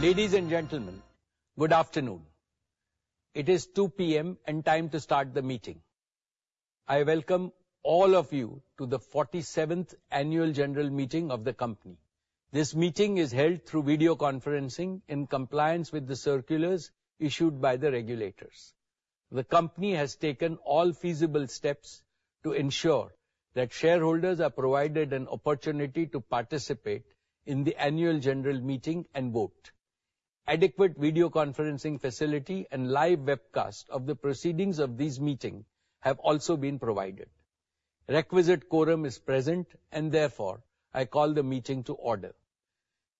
Ladies and gentlemen, good afternoon. It is 2:00 P.M. and time to start the meeting. I welcome all of you to the forty-seventh annual general meeting of the company. This meeting is held through video conferencing in compliance with the circulars issued by the regulators. The company has taken all feasible steps to ensure that shareholders are provided an opportunity to participate in the annual general meeting and vote. Adequate video conferencing facility and live webcast of the proceedings of this meeting have also been provided. Requisite quorum is present, and therefore, I call the meeting to order.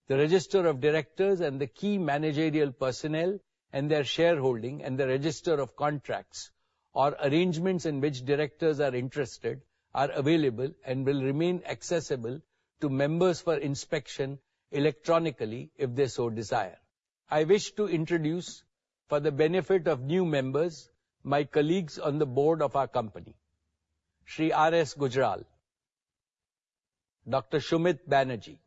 The register of directors and the key managerial personnel and their shareholding and the register of contracts or arrangements in which directors are interested are available and will remain accessible to members for inspection electronically if they so desire. I wish to introduce, for the benefit of new members, my colleagues on the board of our company, Shri R. S. Gujral, Dr. Shumeet Banerji,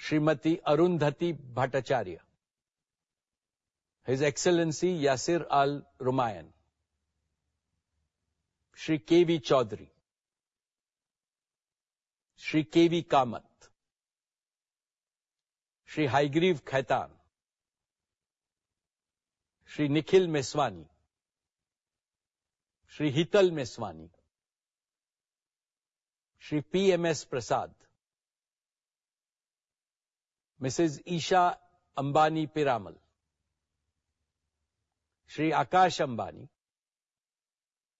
Srimati Arundhati Bhattacharya, His Excellency Yasir O. Al-Rumayyan, Shri K. V. Chowdary, Shri K. V. Kamath, Shri Haigreve Khaitan, Shri Nikhil Meswani, Shri Hital Meswani, Shri P. M. S. Prasad, Mrs. Isha Ambani Piramal, Shri Akash Ambani,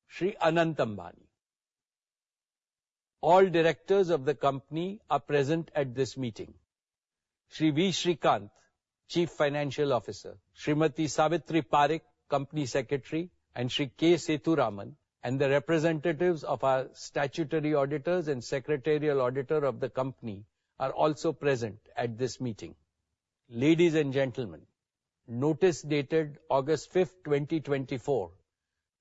Shri Anant Ambani. All directors of the company are present at this meeting. Shri V. Srikanth, Chief Financial Officer, Srimati Savitri Parekh, Company Secretary, and Shri K. Sethuraman, and the representatives of our statutory auditors and secretarial auditor of the company are also present at this meeting. Ladies and gentlemen, notice dated August fifth, 2024,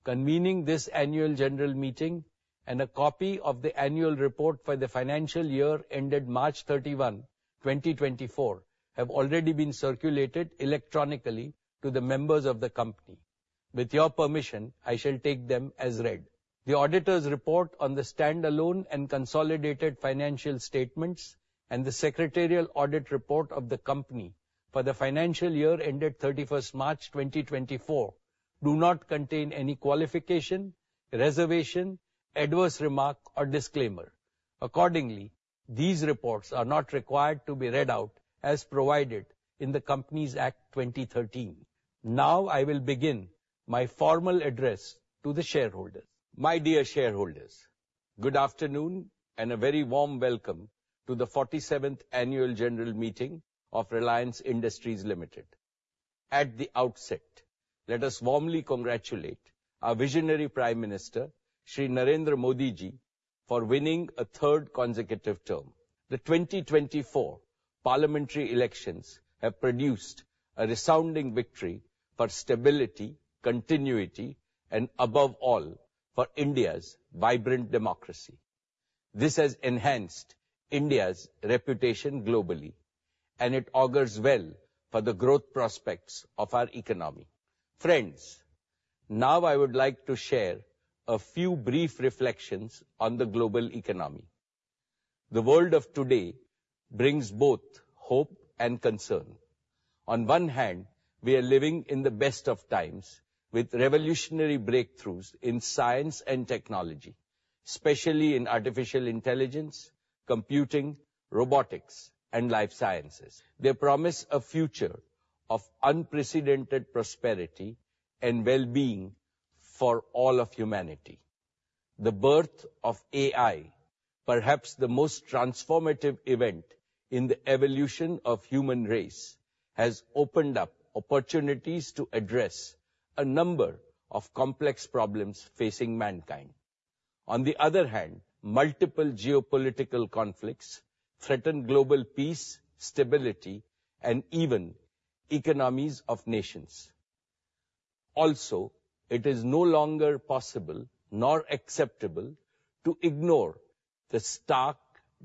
convening this annual general meeting and a copy of the annual report for the financial year ended March 31, 2024, have already been circulated electronically to the members of the company. With your permission, I shall take them as read. The auditors' report on the standalone and consolidated financial statements and the secretarial audit report of the company for the financial year ended thirty-first March, 2024, do not contain any qualification, reservation, adverse remark, or disclaimer. Accordingly, these reports are not required to be read out as provided in the Companies Act 2013. Now I will begin my formal address to the shareholders. My dear shareholders, good afternoon, and a very warm welcome to the forty-seventh annual general meeting of Reliance Industries Limited. At the outset, let us warmly congratulate our visionary Prime Minister, Shri Narendra Modi Ji, for winning a third consecutive term. The 2024 parliamentary elections have produced a resounding victory for stability, continuity, and above all, for India's vibrant democracy. This has enhanced India's reputation globally, and it augurs well for the growth prospects of our economy. Friends, now I would like to share a few brief reflections on the global economy. The world of today brings both hope and concern. On one hand, we are living in the best of times with revolutionary breakthroughs in science and technology, especially in artificial intelligence, computing, robotics, and life sciences. They promise a future of unprecedented prosperity and well-being for all of humanity. The birth of AI, perhaps the most transformative event in the evolution of human race, has opened up opportunities to address a number of complex problems facing mankind. On the other hand, multiple geopolitical conflicts threaten global peace, stability, and even economies of nations. Also, it is no longer possible nor acceptable to ignore the stark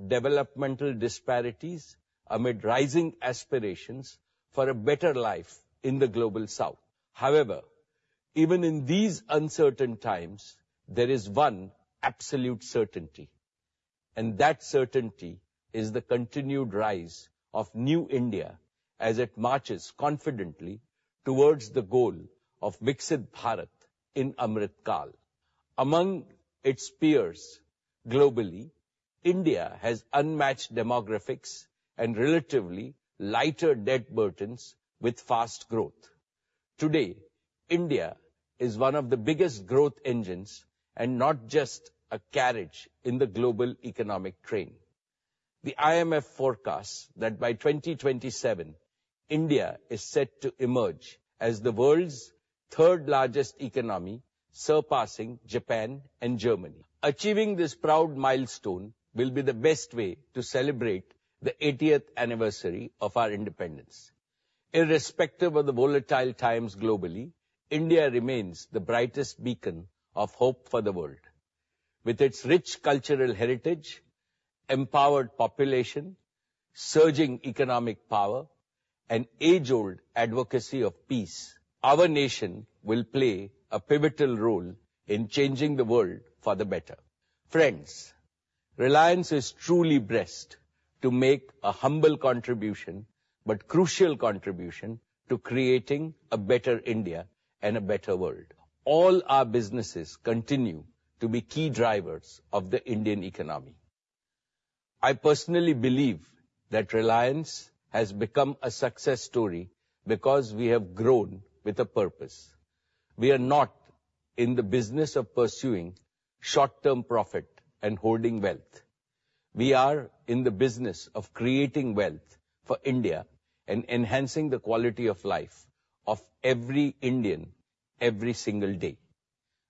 developmental disparities amid rising aspirations for a better life in the Global South. However, even in these uncertain times, there is one absolute certainty, and that certainty is the continued rise of new India as it marches confidently towards the goal of Viksit Bharat in Amrit Kaal. Among its peers globally, India has unmatched demographics and relatively lighter debt burdens with fast growth. Today, India is one of the biggest growth engines and not just a carriage in the global economic train. The IMF forecasts that by 2027, India is set to emerge as the world's third largest economy, surpassing Japan and Germany. Achieving this proud milestone will be the best way to celebrate the eightieth anniversary of our independence. Irrespective of the volatile times globally, India remains the brightest beacon of hope for the world. With its rich cultural heritage, empowered population, surging economic power, and age-old advocacy of peace, our nation will play a pivotal role in changing the world for the better. Friends, Reliance is truly blessed to make a humble contribution, but crucial contribution, to creating a better India and a better world. All our businesses continue to be key drivers of the Indian economy. I personally believe that Reliance has become a success story because we have grown with a purpose. We are not in the business of pursuing short-term profit and holding wealth. We are in the business of creating wealth for India and enhancing the quality of life of every Indian, every single day.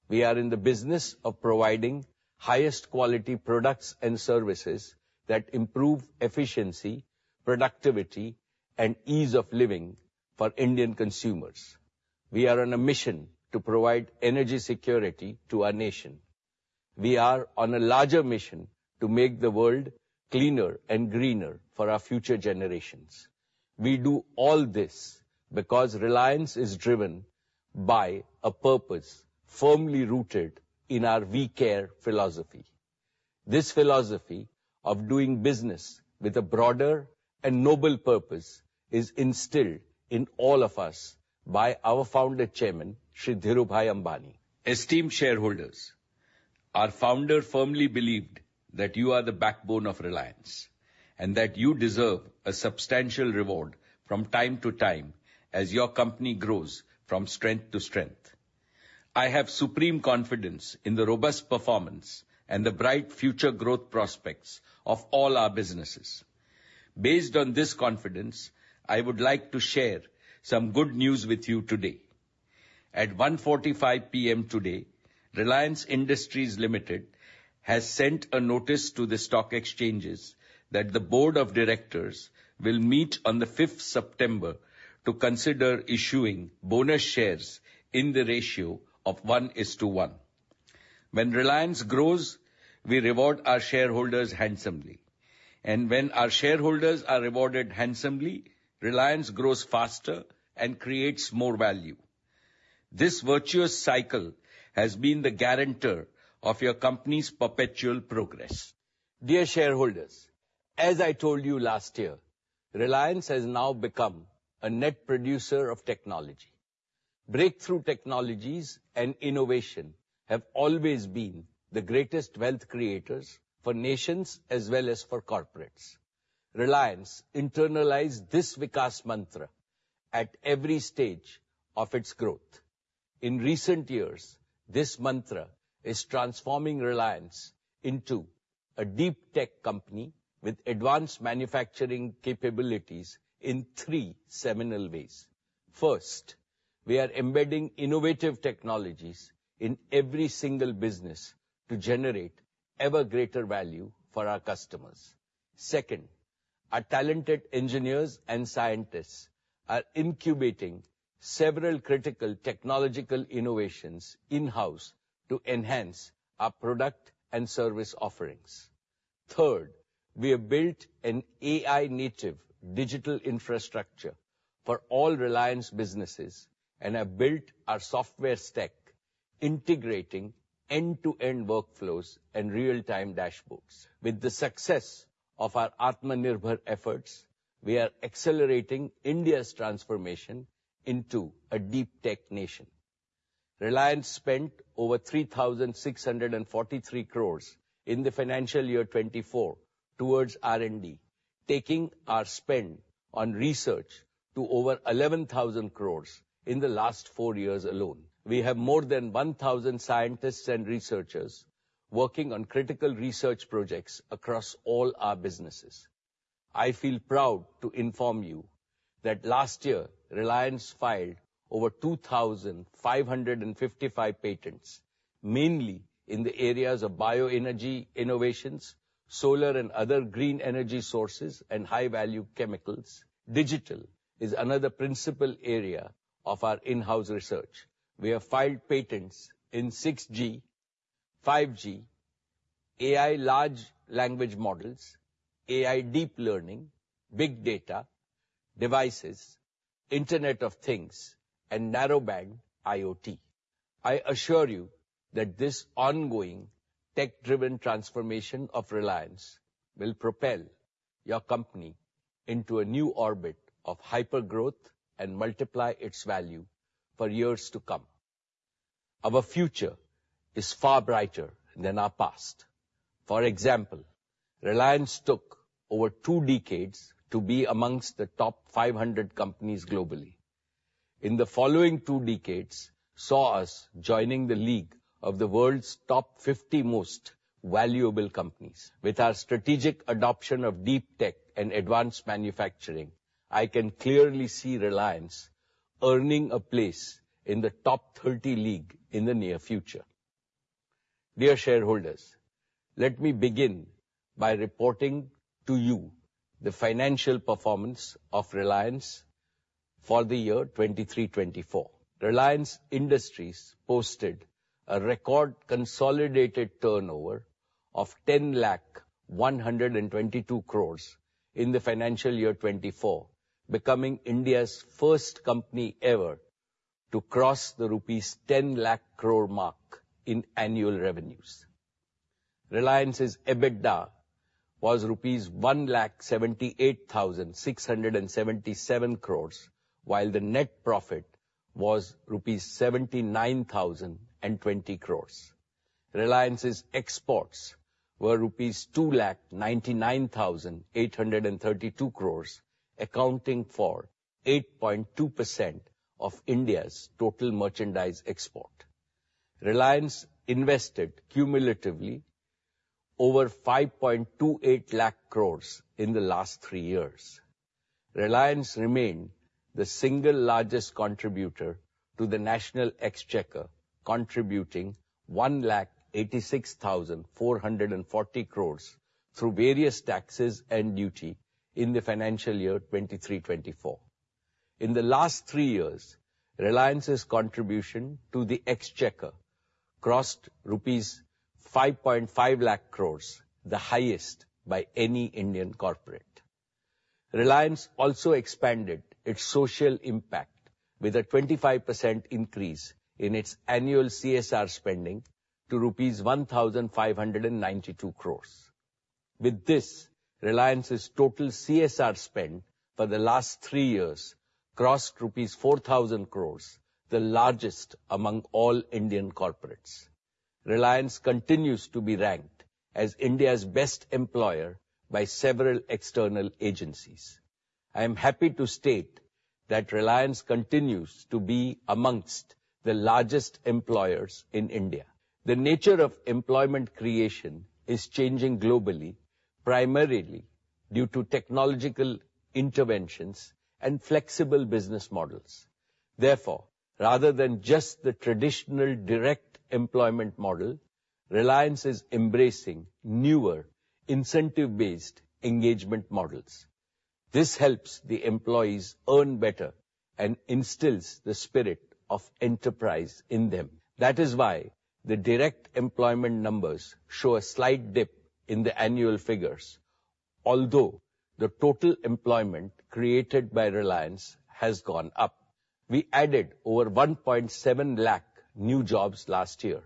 We are in the business of providing highest quality products and services that improve efficiency, productivity, and ease of living for Indian consumers. We are on a mission to provide energy security to our nation. We are on a larger mission to make the world cleaner and greener for our future generations. We do all this because Reliance is driven by a purpose firmly rooted in our we care philosophy. This philosophy of doing business with a broader and noble purpose is instilled in all of us by our founder, Chairman Shri Dhirubhai Ambani. Esteemed shareholders, our founder firmly believed that you are the backbone of Reliance, and that you deserve a substantial reward from time to time as your company grows from strength to strength. I have supreme confidence in the robust performance and the bright future growth prospects of all our businesses. Based on this confidence, I would like to share some good news with you today. At 1:45 P.M. today, Reliance Industries Limited has sent a notice to the stock exchanges that the board of directors will meet on the 5th September to consider issuing bonus shares in the ratio of one is to one. When Reliance grows, we reward our shareholders handsomely, and when our shareholders are rewarded handsomely, Reliance grows faster and creates more value. This virtuous cycle has been the guarantor of your company's perpetual progress. Dear shareholders, as I told you last year, Reliance has now become a net producer of technology. Breakthrough technologies and innovation have always been the greatest wealth creators for nations as well as for corporates. Reliance internalized this Viksit mantra at every stage of its growth. In recent years, this mantra is transforming Reliance into a deep tech company with advanced manufacturing capabilities in three seminal ways. First, we are embedding innovative technologies in every single business to generate ever-greater value for our customers. Second, our talented engineers and scientists are incubating several critical technological innovations in-house to enhance our product and service offerings. Third, we have built an AI-native digital infrastructure for all Reliance businesses and have built our software stack, integrating end-to-end workflows and real-time dashboards. With the success of our Atmanirbhar efforts, we are accelerating India's transformation into a deep tech nation. Reliance spent over 3,643 crores in the financial year 2024 towards R&D, taking our spend on research to over 11,000 crores in the last four years alone. We have more than 1,000 scientists and researchers working on critical research projects across all our businesses. I feel proud to inform you that last year, Reliance filed over 2,555 patents, mainly in the areas of bioenergy innovations, solar and other green energy sources, and high-value chemicals. Digital is another principal area of our in-house research. We have filed patents in 6G, 5G, AI, large language models, AI, deep learning, big data, devices, Internet of Things, and Narrowband IoT. I assure you that this ongoing tech-driven transformation of Reliance will propel your company into a new orbit of hypergrowth and multiply its value for years to come. Our future is far brighter than our past. For example, Reliance took over two decades to be amongst the top 500 companies globally. In the following two decades, saw us joining the league of the world's top 50 most valuable companies. With our strategic adoption of deep tech and advanced manufacturing, I can clearly see Reliance earning a place in the top 30 league in the near future. Dear shareholders, let me begin by reporting to you the financial performance of Reliance. For the year 2023-24, Reliance Industries posted a record consolidated turnover of 10,00,122 crores in the financial year 2024, becoming India's first company ever to cross the rupees ten lakh crore mark in annual revenues. Reliance's EBITDA was rupees 1,78,677 crores, while the net profit was rupees 79,000 crores. Reliance's exports were rupees 2,99,832 crores, accounting for 8.2% of India's total merchandise export. Reliance invested cumulatively over 5.28 lakh crores in the last three years. Reliance remained the single largest contributor to the national exchequer, contributing 1,86,440 crore through various taxes and duty in the financial year 2023-24. In the last three years, Reliance's contribution to the exchequer crossed rupees 5.5 lakh crore, the highest by any Indian corporate. Reliance also expanded its social impact with a 25% increase in its annual CSR spending to rupees 1,592 crore. With this, Reliance's total CSR spend for the last three years crossed rupees 4,000 crore, the largest among all Indian corporates. Reliance continues to be ranked as India's best employer by several external agencies. I am happy to state that Reliance continues to be amongst the largest employers in India. The nature of employment creation is changing globally, primarily due to technological interventions and flexible business models. Therefore, rather than just the traditional direct employment model, Reliance is embracing newer incentive-based engagement models. This helps the employees earn better and instills the spirit of enterprise in them. That is why the direct employment numbers show a slight dip in the annual figures, although the total employment created by Reliance has gone up. We added over 1.7 lakh new jobs last year.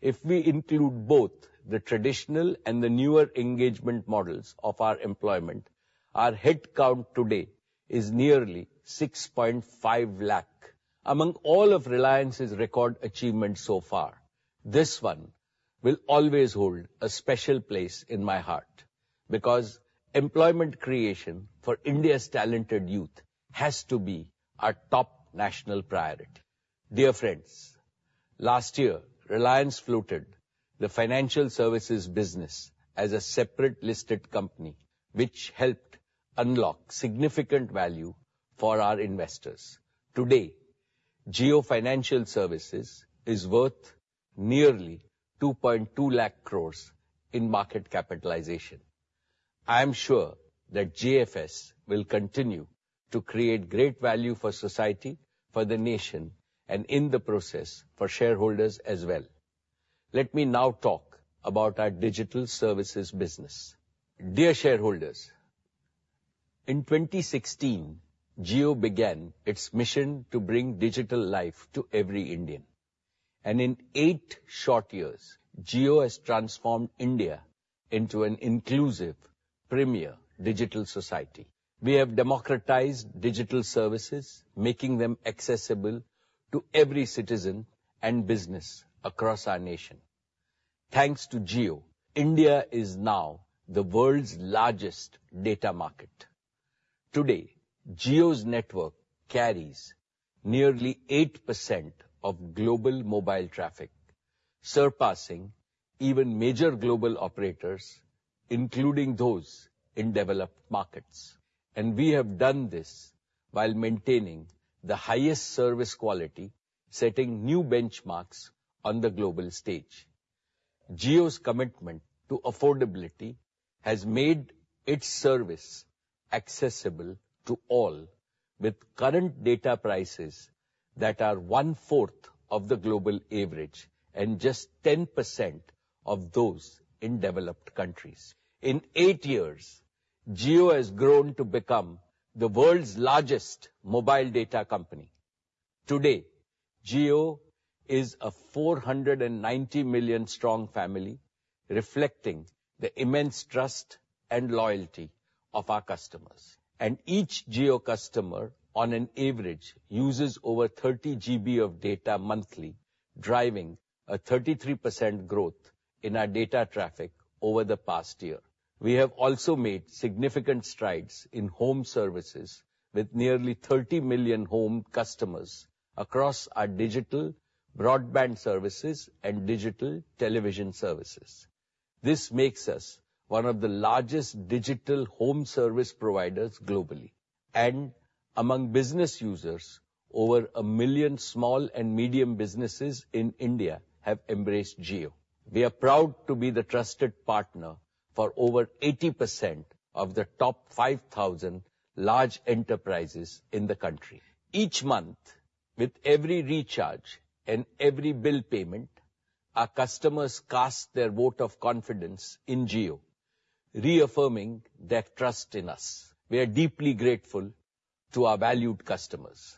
If we include both the traditional and the newer engagement models of our employment, our headcount today is nearly 6.5 lakh. Among all of Reliance's record achievements so far, this one will always hold a special place in my heart, because employment creation for India's talented youth has to be our top national priority. Dear friends, last year, Reliance floated the financial services business as a separate listed company, which helped unlock significant value for our investors. Today, Jio Financial Services is worth nearly 2.2 lakh crores in market capitalization. I am sure that JFS will continue to create great value for society, for the nation, and in the process, for shareholders as well. Let me now talk about our digital services business. Dear shareholders, in 2016, Jio began its mission to bring digital life to every Indian, and in eight short years, Jio has transformed India into an inclusive, premier digital society. We have democratized digital services, making them accessible to every citizen and business across our nation. Thanks to Jio, India is now the world's largest data market. Today, Jio's network carries nearly 8% of global mobile traffic, surpassing even major global operators, including those in developed markets. And we have done this while maintaining the highest service quality, setting new benchmarks on the global stage. Jio's commitment to affordability has made its service accessible to all, with current data prices that are one-fourth of the global average and just 10% of those in developed countries. In eight years, Jio has grown to become the world's largest mobile data company. Today, Jio is a 490 million strong family, reflecting the immense trust and loyalty of our customers. And each Jio customer, on an average, uses over 30 GB of data monthly, driving a 33% growth in our data traffic over the past year. We have also made significant strides in home services with nearly 30 million home customers across our digital broadband services and digital television services. This makes us one of the largest digital home service providers globally. And among business users, over 1 million small and medium businesses in India have embraced Jio. We are proud to be the trusted partner for over 80% of the top 5,000 large enterprises in the country. Each month, with every recharge and every bill payment, our customers cast their vote of confidence in Jio, reaffirming their trust in us. We are deeply grateful to our valued customers.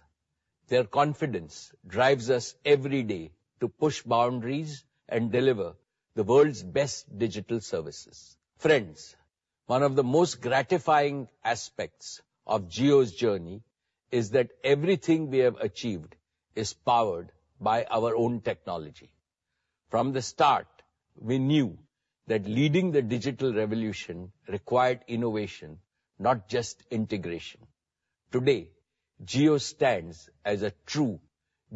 Their confidence drives us every day to push boundaries and deliver the world's best digital services. Friends, one of the most gratifying aspects of Jio's journey is that everything we have achieved is powered by our own technology. From the start, we knew that leading the digital revolution required innovation, not just integration. Today, Jio stands as a true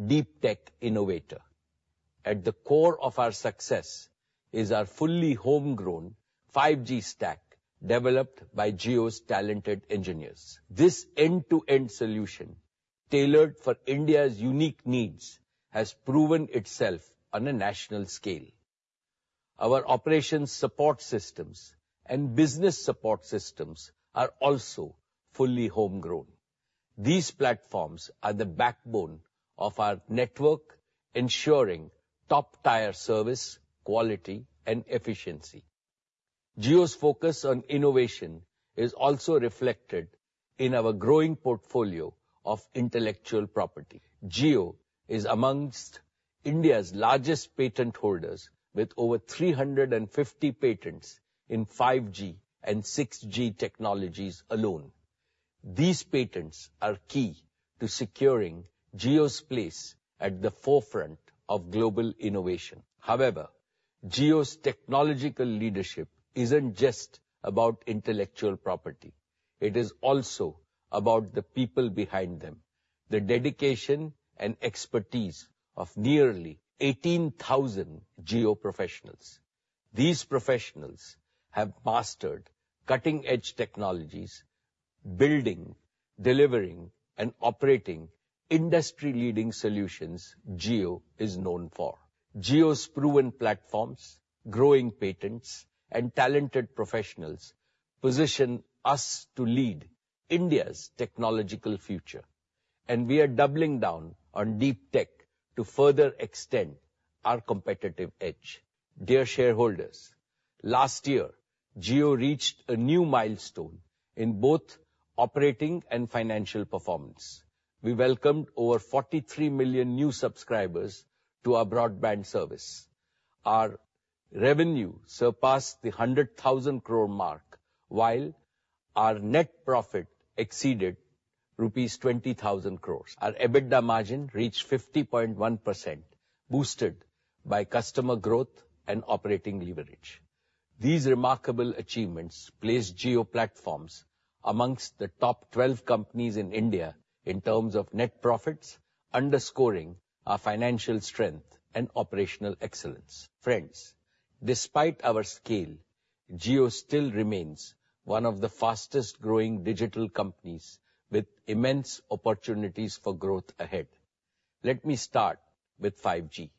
deep tech innovator. At the core of our success is our fully homegrown 5G stack, developed by Jio's talented engineers. This end-to-end solution, tailored for India's unique needs, has proven itself on a national scale. Our operations support systems and business support systems are also fully homegrown. These platforms are the backbone of our network, ensuring top-tier service, quality, and efficiency. Jio's focus on innovation is also reflected in our growing portfolio of intellectual property. Jio is amongst India's largest patent holders, with over 350 patents in 5G and 6G technologies alone. These patents are key to securing Jio's place at the forefront of global innovation. However, Jio's technological leadership isn't just about intellectual property. It is also about the people behind them, the dedication and expertise of nearly 18,000 Jio professionals. These professionals have mastered cutting-edge technologies, building, delivering, and operating industry-leading solutions. Jio is known for. Jio's proven platforms, growing patents, and talented professionals position us to lead India's technological future, and we are doubling down on deep tech to further extend our competitive edge. Dear shareholders, last year, Jio reached a new milestone in both operating and financial performance. We welcomed over 43 million new subscribers to our broadband service. Our revenue surpassed the 100,000 crore mark, while our net profit exceeded rupees 20,000 crores. Our EBITDA margin reached 50.1%, boosted by customer growth and operating leverage. These remarkable achievements place Jio Platforms amongst the top 12 companies in India in terms of net profits, underscoring our financial strength and operational excellence. Friends, despite our scale, Jio still remains one of the fastest-growing digital companies with immense opportunities for growth ahead. Let me start with 5G.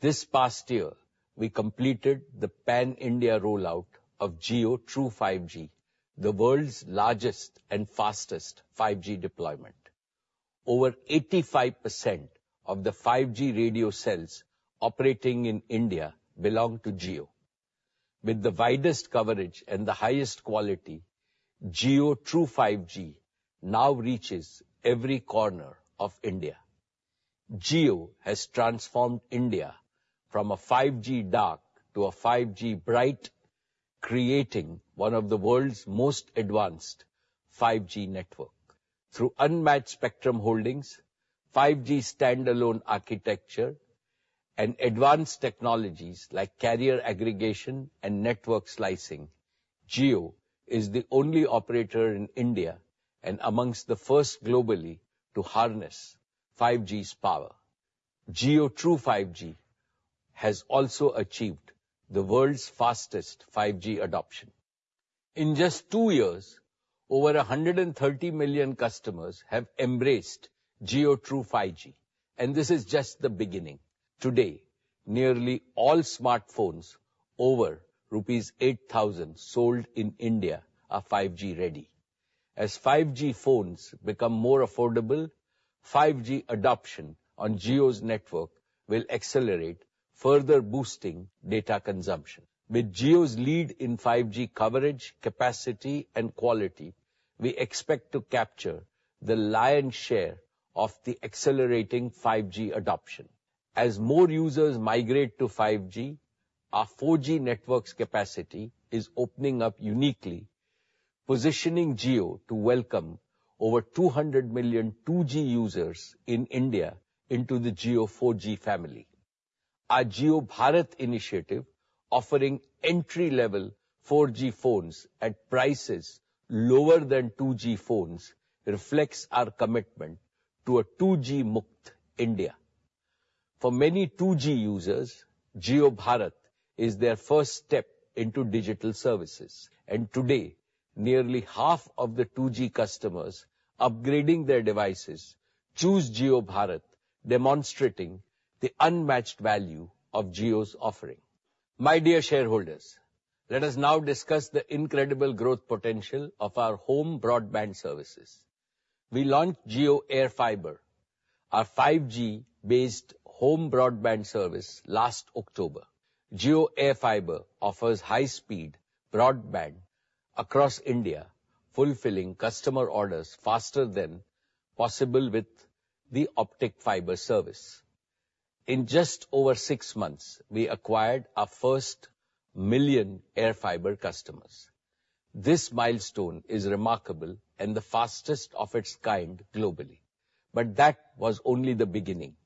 This past year, we completed the pan-India rollout of Jio True 5G, the world's largest and fastest 5G deployment. Over 85% of the 5G radio cells operating in India belong to Jio. With the widest coverage and the highest quality, Jio True 5G now reaches every corner of India. Jio has transformed India from a 5G dark to a 5G bright, creating one of the world's most advanced 5G network. Through unmatched spectrum holdings, 5G standalone architecture, and advanced technologies like carrier aggregation and network slicing, Jio is the only operator in India, and among the first globally, to harness 5G's power. Jio True 5G has also achieved the world's fastest 5G adoption. In just two years, over 130 million customers have embraced Jio True 5G, and this is just the beginning. Today, nearly all smartphones over rupees 8,000 sold in India are 5G ready. As 5G phones become more affordable, 5G adoption on Jio's network will accelerate, further boosting data consumption. With Jio's lead in 5G coverage, capacity, and quality, we expect to capture the lion's share of the accelerating 5G adoption. As more users migrate to 5G, our 4G network's capacity is opening up uniquely, positioning Jio to welcome over 200 million 2G users in India into the Jio 4G family. Our JioBharat initiative, offering entry-level 4G phones at prices lower than 2G phones, reflects our commitment to a 2G Mukt India. For many 2G users, JioBharat is their first step into digital services. And today, nearly half of the 2G customers upgrading their devices choose JioBharat, demonstrating the unmatched value of Jio's offering. My dear shareholders, let us now discuss the incredible growth potential of our home broadband services. We launched JioAirFiber, our 5G-based home broadband service, last October. JioAirFiber offers high-speed broadband across India, fulfilling customer orders faster than possible with the optical fiber service. In just over six months, we acquired our first million JioAirFiber customers. This milestone is remarkable and the fastest of its kind globally, but that was only the beginning.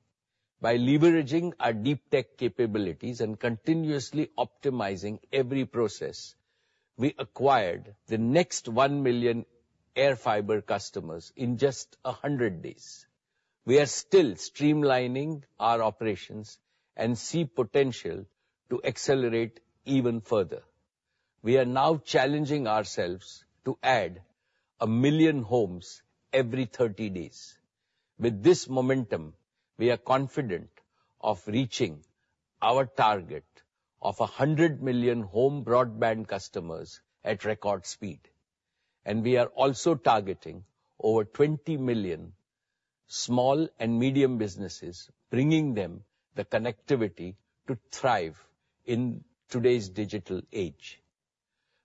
By leveraging our deep tech capabilities and continuously optimizing every process, we acquired the next one million JioAirFiber customers in just a hundred days. We are still streamlining our operations and see potential to accelerate even further. We are now challenging ourselves to add a million homes every thirty days. With this momentum, we are confident of reaching our target of a hundred million home broadband customers at record speed. We are also targeting over 20 million small and medium businesses, bringing them the connectivity to thrive in today's digital age.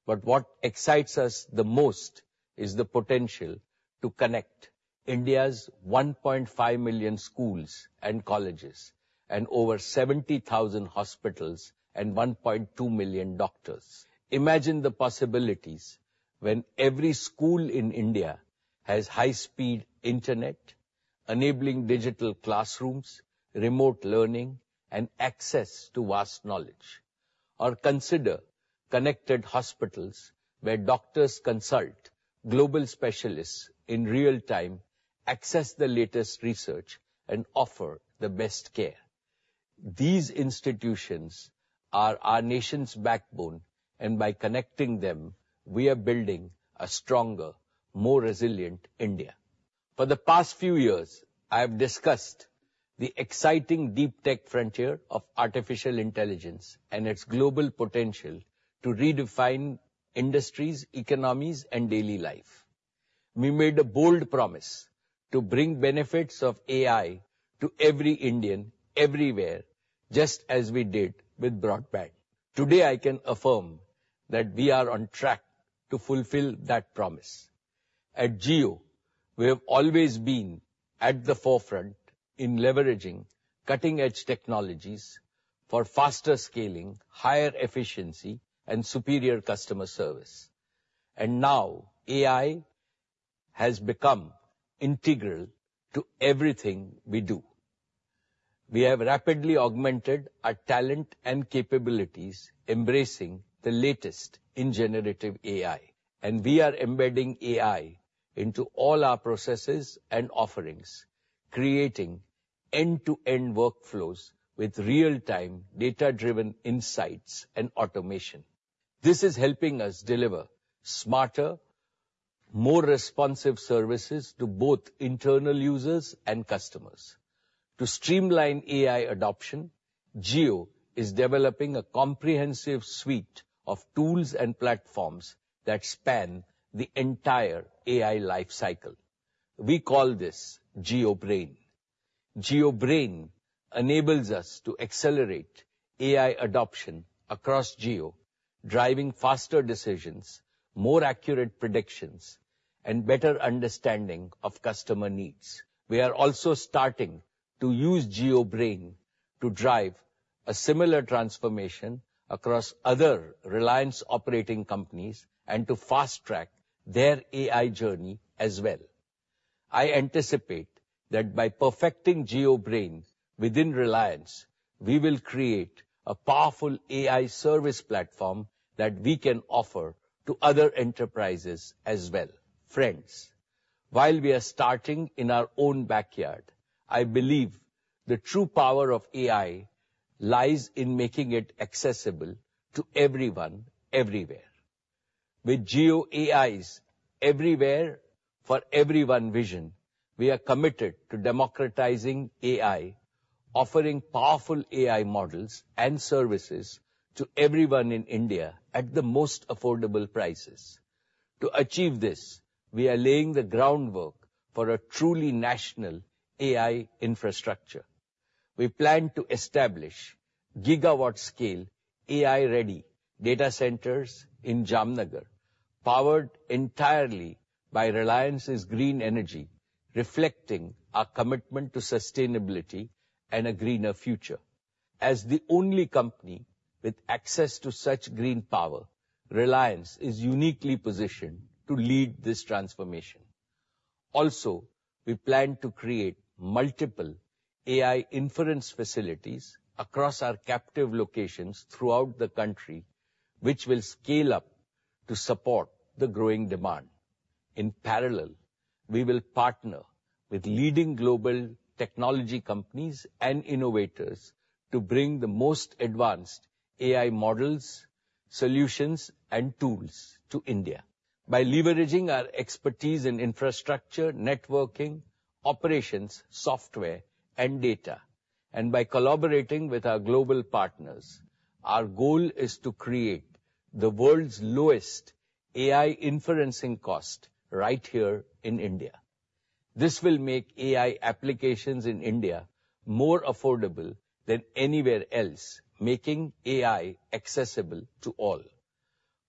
But what excites us the most is the potential to connect India's 1.5 million schools and colleges, and over 70,000 hospitals, and 1.2 million doctors. Imagine the possibilities when every school in India has high-speed internet, enabling digital classrooms, remote learning, and access to vast knowledge. Or consider connected hospitals, where doctors consult global specialists in real time, access the latest research, and offer the best care. These institutions are our nation's backbone, and by connecting them, we are building a stronger, more resilient India. For the past few years, I have discussed the exciting deep tech frontier of artificial intelligence and its global potential to redefine industries, economies, and daily life. We made a bold promise to bring benefits of AI to every Indian everywhere, just as we did with broadband. Today, I can affirm that we are on track to fulfill that promise. At Jio, we have always been at the forefront in leveraging cutting-edge technologies for faster scaling, higher efficiency, and superior customer service, and now AI has become integral to everything we do. We have rapidly augmented our talent and capabilities, embracing the latest in generative AI, and we are embedding AI into all our processes and offerings, creating end-to-end workflows with real-time, data-driven insights and automation. This is helping us deliver smarter, more responsive services to both internal users and customers. To streamline AI adoption, Jio is developing a comprehensive suite of tools and platforms that span the entire AI life cycle. We call this JioBrain. JioBrain enables us to accelerate AI adoption across Jio, driving faster decisions, more accurate predictions, and better understanding of customer needs. We are also starting to use JioBrain to drive a similar transformation across other Reliance operating companies and to fast-track their AI journey as well. I anticipate that by perfecting JioBrain within Reliance, we will create a powerful AI service platform that we can offer to other enterprises as well. Friends, while we are starting in our own backyard, I believe the true power of AI lies in making it accessible to everyone, everywhere. With Jio AIs everywhere for everyone vision, we are committed to democratizing AI, offering powerful AI models and services to everyone in India at the most affordable prices. To achieve this, we are laying the groundwork for a truly national AI infrastructure. We plan to establish gigawatt-scale, AI-ready data centers in Jamnagar, powered entirely by Reliance's green energy, reflecting our commitment to sustainability and a greener future. As the only company with access to such green power, Reliance is uniquely positioned to lead this transformation. Also, we plan to create multiple AI inference facilities across our captive locations throughout the country, which will scale up to support the growing demand. In parallel, we will partner with leading global technology companies and innovators to bring the most advanced AI models, solutions, and tools to India. By leveraging our expertise in infrastructure, networking, operations, software, and data, and by collaborating with our global partners, our goal is to create the world's lowest AI inferencing cost right here in India. This will make AI applications in India more affordable than anywhere else, making AI accessible to all.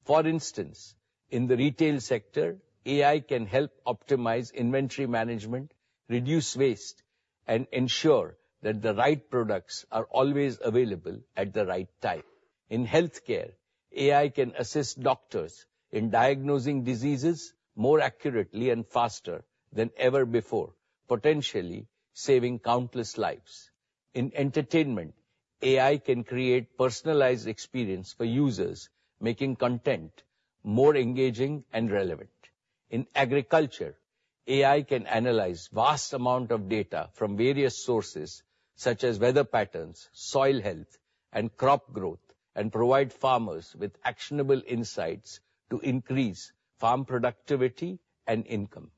For instance, in the retail sector, AI can help optimize inventory management, reduce waste, and ensure that the right products are always available at the right time. In healthcare, AI can assist doctors in diagnosing diseases more accurately and faster than ever before, potentially saving countless lives. In entertainment, AI can create personalized experience for users, making content more engaging and relevant. In agriculture, AI can analyze vast amount of data from various sources, such as weather patterns, soil health, and crop growth, and provide farmers with actionable insights to increase farm productivity and income.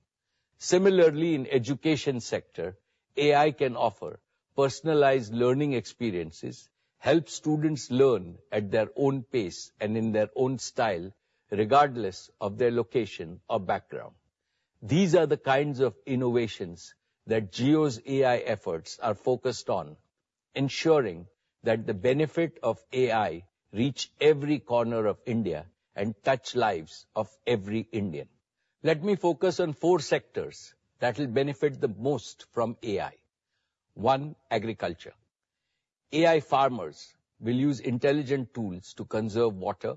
Similarly, in education sector, AI can offer personalized learning experiences, help students learn at their own pace and in their own style, regardless of their location or background. These are the kinds of innovations that Jio's AI efforts are focused on, ensuring that the benefit of AI reach every corner of India and touch lives of every Indian. Let me focus on four sectors that will benefit the most from AI. One, agriculture. AI farmers will use intelligent tools to conserve water,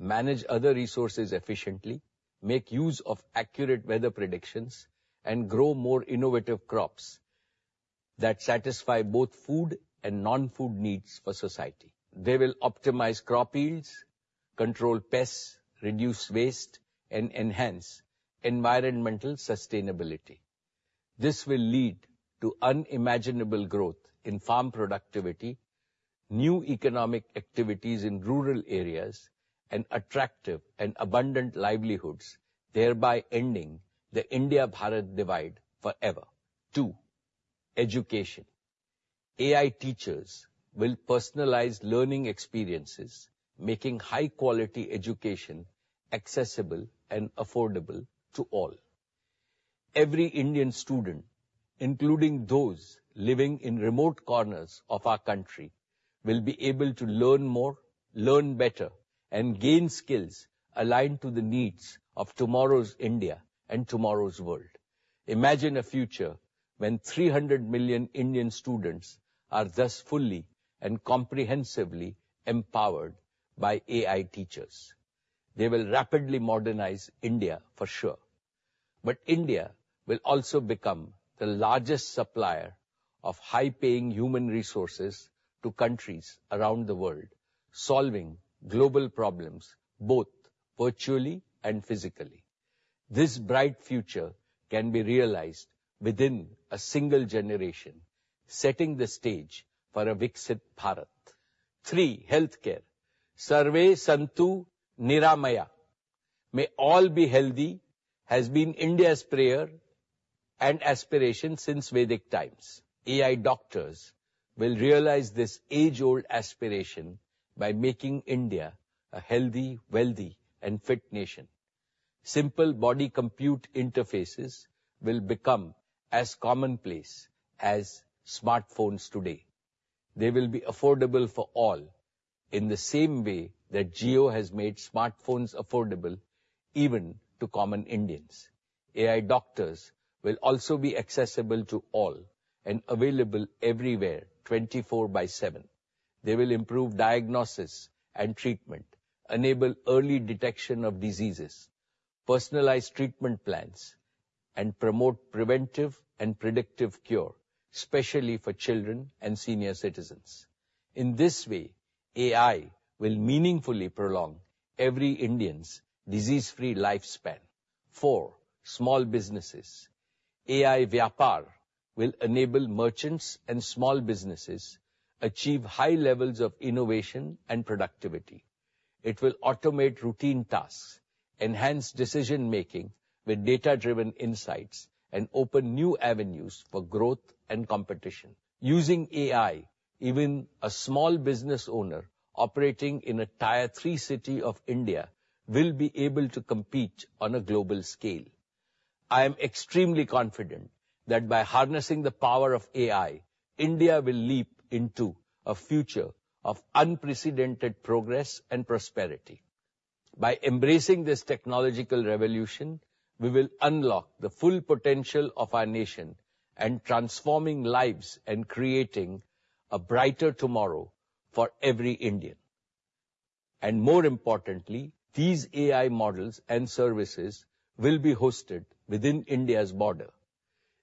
manage other resources efficiently, make use of accurate weather predictions, and grow more innovative crops that satisfy both food and non-food needs for society. They will optimize crop yields, control pests, reduce waste, and enhance environmental sustainability. This will lead to unimaginable growth in farm productivity, new economic activities in rural areas, and attractive and abundant livelihoods, thereby ending the India-Bharat divide forever. Two, education. AI teachers will personalize learning experiences, making high-quality education accessible and affordable to all. Every Indian student, including those living in remote corners of our country, will be able to learn more, learn better, and gain skills aligned to the needs of tomorrow's India and tomorrow's world. Imagine a future when 300 million Indian students are thus fully and comprehensively empowered by AI teachers. They will rapidly modernize India for sure. But India will also become the largest supplier of high-paying human resources to countries around the world, solving global problems both virtually and physically. This bright future can be realized within a single generation, setting the stage for a Viksit Bharat. Three, healthcare. Sarve Santu Niramaya, "May all be healthy," has been India's prayer and aspiration since Vedic times. AI doctors will realize this age-old aspiration by making India a healthy, wealthy, and fit nation. Simple body-computer interfaces will become as commonplace as smartphones today. They will be affordable for all, in the same way that Jio has made smartphones affordable even to common Indians. AI doctors will also be accessible to all and available everywhere, 24/7. They will improve diagnosis and treatment, enable early detection of diseases, personalized treatment plans, and promote preventive and predictive cure, especially for children and senior citizens. In this way, AI will meaningfully prolong every Indian's disease-free lifespan. Four, small businesses. AI vyapar will enable merchants and small businesses achieve high levels of innovation and productivity. It will automate routine tasks, enhance decision-making with data-driven insights, and open new avenues for growth and competition. Using AI, even a small business owner operating in a tier three city of India will be able to compete on a global scale. I am extremely confident that by harnessing the power of AI, India will leap into a future of unprecedented progress and prosperity. By embracing this technological revolution, we will unlock the full potential of our nation and transforming lives and creating a brighter tomorrow for every Indian, and more importantly, these AI models and services will be hosted within India's borders.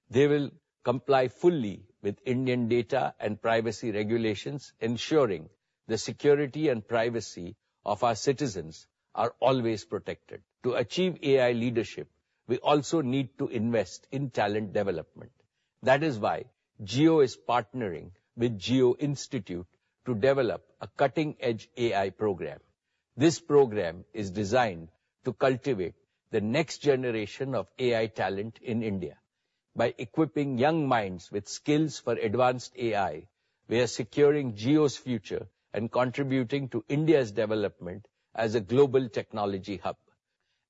They will comply fully with Indian data and privacy regulations, ensuring the security and privacy of our citizens are always protected. To achieve AI leadership, we also need to invest in talent development. That is why Jio is partnering with Jio Institute to develop a cutting-edge AI program. This program is designed to cultivate the next generation of AI talent in India. By equipping young minds with skills for advanced AI, we are securing Jio's future and contributing to India's development as a global technology hub.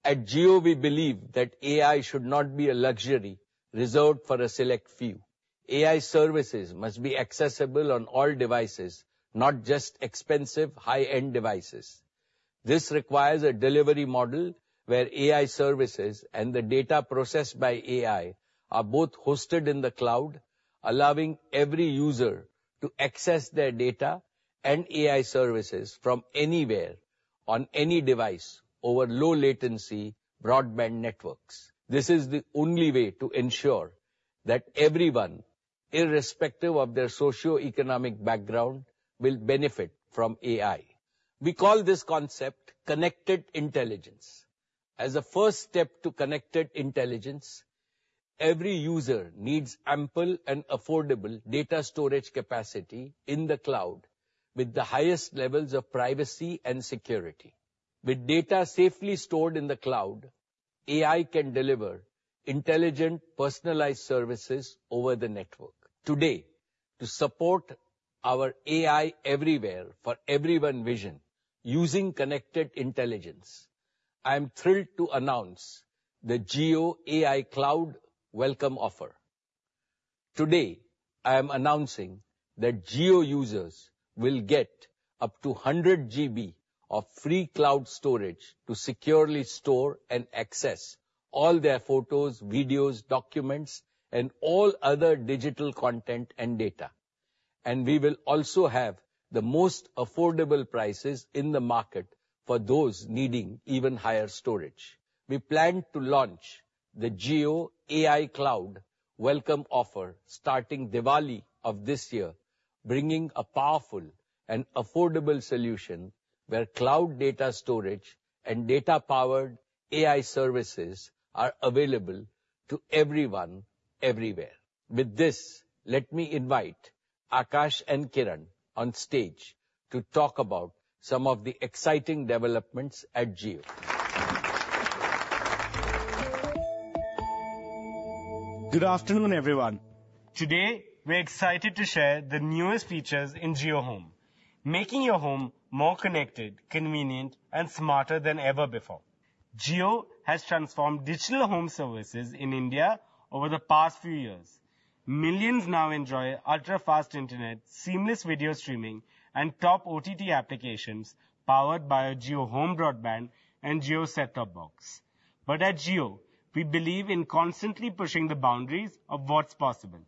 At Jio, we believe that AI should not be a luxury reserved for a select few. AI services must be accessible on all devices, not just expensive, high-end devices. This requires a delivery model where AI services and the data processed by AI are both hosted in the cloud, allowing every user to access their data and AI services from anywhere on any device over low-latency broadband networks. This is the only way to ensure that everyone, irrespective of their socioeconomic background, will benefit from AI. We call this concept Connected Intelligence. As a first step to Connected Intelligence, every user needs ample and affordable data storage capacity in the cloud, with the highest levels of privacy and security. With data safely stored in the cloud, AI can deliver intelligent, personalized services over the network. Today, to support our AI everywhere for everyone vision using Connected Intelligence, I am thrilled to announce the Jio AI Cloud welcome offer. Today, I am announcing that Jio users will get up to 100 GB of free cloud storage to securely store and access all their photos, videos, documents, and all other digital content and data, and we will also have the most affordable prices in the market for those needing even higher storage. We plan to launch the Jio AI Cloud welcome offer starting Diwali of this year, bringing a powerful and affordable solution where cloud data storage and data-powered AI services are available to everyone, everywhere. With this, let me invite Akash and Kiran on stage to talk about some of the exciting developments at Jio. Good afternoon, everyone. Today, we're excited to share the newest features in JioHome, making your home more connected, convenient, and smarter than ever before. Jio has transformed digital home services in India over the past few years. Millions now enjoy ultra-fast internet, seamless video streaming, and top OTT applications powered by our Jio Home Broadband and Jio set-top box. But at Jio, we believe in constantly pushing the boundaries of what's possible.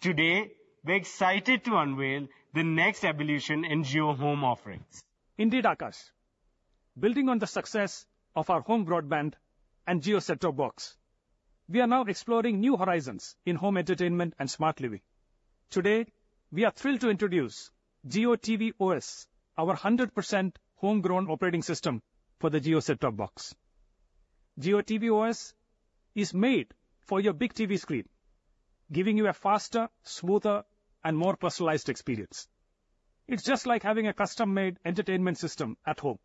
Today, we're excited to unveil the next evolution in JioHome offerings. Indeed, Akash. Building on the success of our Home Broadband and Jio set-top box, we are now exploring new horizons in home entertainment and smart living. Today, we are thrilled to introduce JioTV OS, our 100% homegrown operating system for the Jio set-top box. JioTV OS is made for your big TV screen, giving you a faster, smoother, and more personalized experience. It's just like having a custom-made entertainment system at home.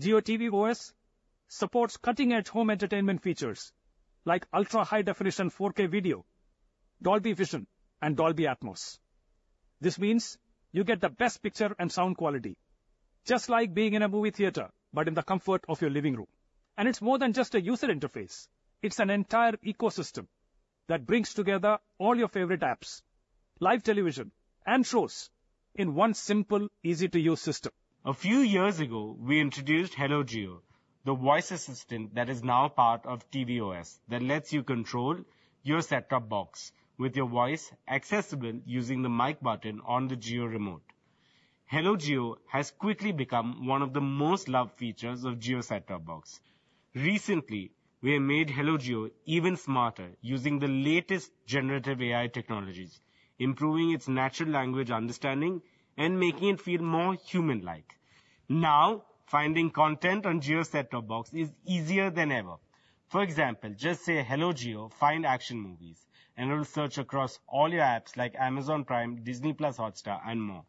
JioTV OS supports cutting-edge home entertainment features like ultra-high-definition 4K video, Dolby Vision, and Dolby Atmos. This means you get the best picture and sound quality, just like being in a movie theater, but in the comfort of your living room, and it's more than just a user interface. It's an entire ecosystem that brings together all your favorite apps, live television, and shows in one simple, easy-to-use system. A few years ago, we introduced Hello Jio, the voice assistant that is now part of JioTV OS, that lets you control your set-top box with your voice, accessible using the mic button on the Jio remote. Hello Jio has quickly become one of the most loved features of Jio set-top box. Recently, we have made Hello Jio even smarter using the latest generative AI technologies, improving its natural language understanding and making it feel more human-like. Now, finding content on Jio set-top box is easier than ever. For example, just say, "Hello Jio, find action movies," and it'll search across all your apps like Amazon Prime, Disney+ Hotstar, and more,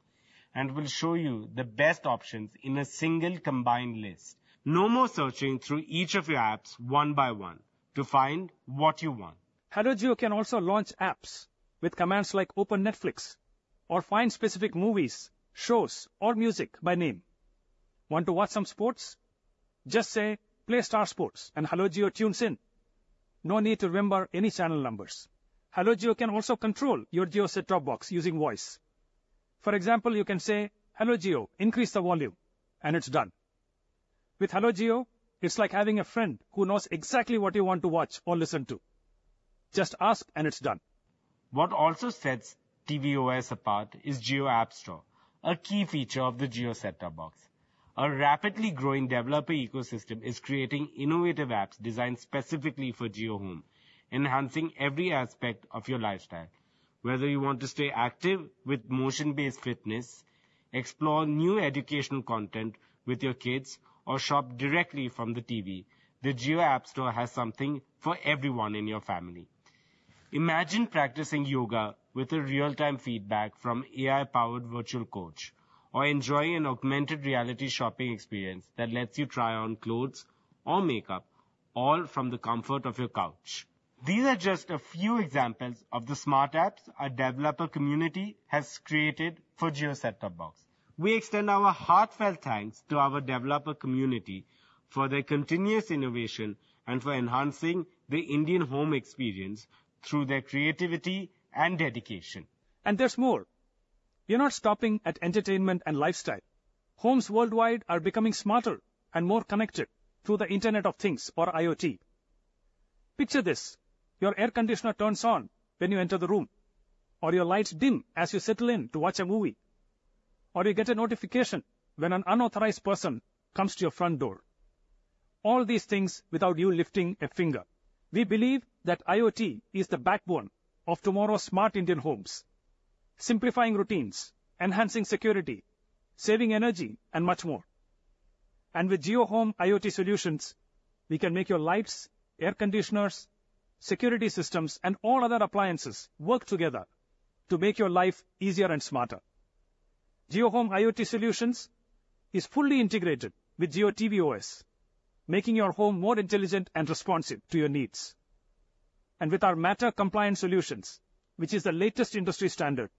and will show you the best options in a single combined list. No more searching through each of your apps one by one to find what you want. Hello Jio can also launch apps with commands like, "Open Netflix," or find specific movies, shows, or music by name. Want to watch some sports? Just say, "Play Star Sports," and Hello Jio tunes in. No need to remember any channel numbers. Hello Jio can also control your Jio set-top box using voice. For example, you can say, "Hello Jio, increase the volume," and it's done. With Hello Jio, it's like having a friend who knows exactly what you want to watch or listen to. Just ask, and it's done.... What also sets JioTV OS apart is Jio App Store, a key feature of the Jio Set Top Box. A rapidly growing developer ecosystem is creating innovative apps designed specifically for JioHome, enhancing every aspect of your lifestyle. Whether you want to stay active with motion-based fitness, explore new educational content with your kids, or shop directly from the TV, the Jio App Store has something for everyone in your family. Imagine practicing yoga with a real-time feedback from AI-powered virtual coach, or enjoying an augmented reality shopping experience that lets you try on clothes or makeup, all from the comfort of your couch. These are just a few examples of the smart apps our developer community has created for Jio Set Top Box. We extend our heartfelt thanks to our developer community for their continuous innovation and for enhancing the Indian home experience through their creativity and dedication. There's more. We're not stopping at entertainment and lifestyle. Homes worldwide are becoming smarter and more connected through the Internet of Things or IoT. Picture this: Your air conditioner turns on when you enter the room, or your lights dim as you settle in to watch a movie, or you get a notification when an unauthorized person comes to your front door. All these things without you lifting a finger. We believe that IoT is the backbone of tomorrow's smart Indian homes, simplifying routines, enhancing security, saving energy, and much more. And with JioHome IoT solutions, we can make your lights, air conditioners, security systems, and all other appliances work together to make your life easier and smarter. JioHome IoT solutions is fully integrated with JioTV OS, making your home more intelligent and responsive to your needs. With our Matter compliance solutions, which is the latest industry standard,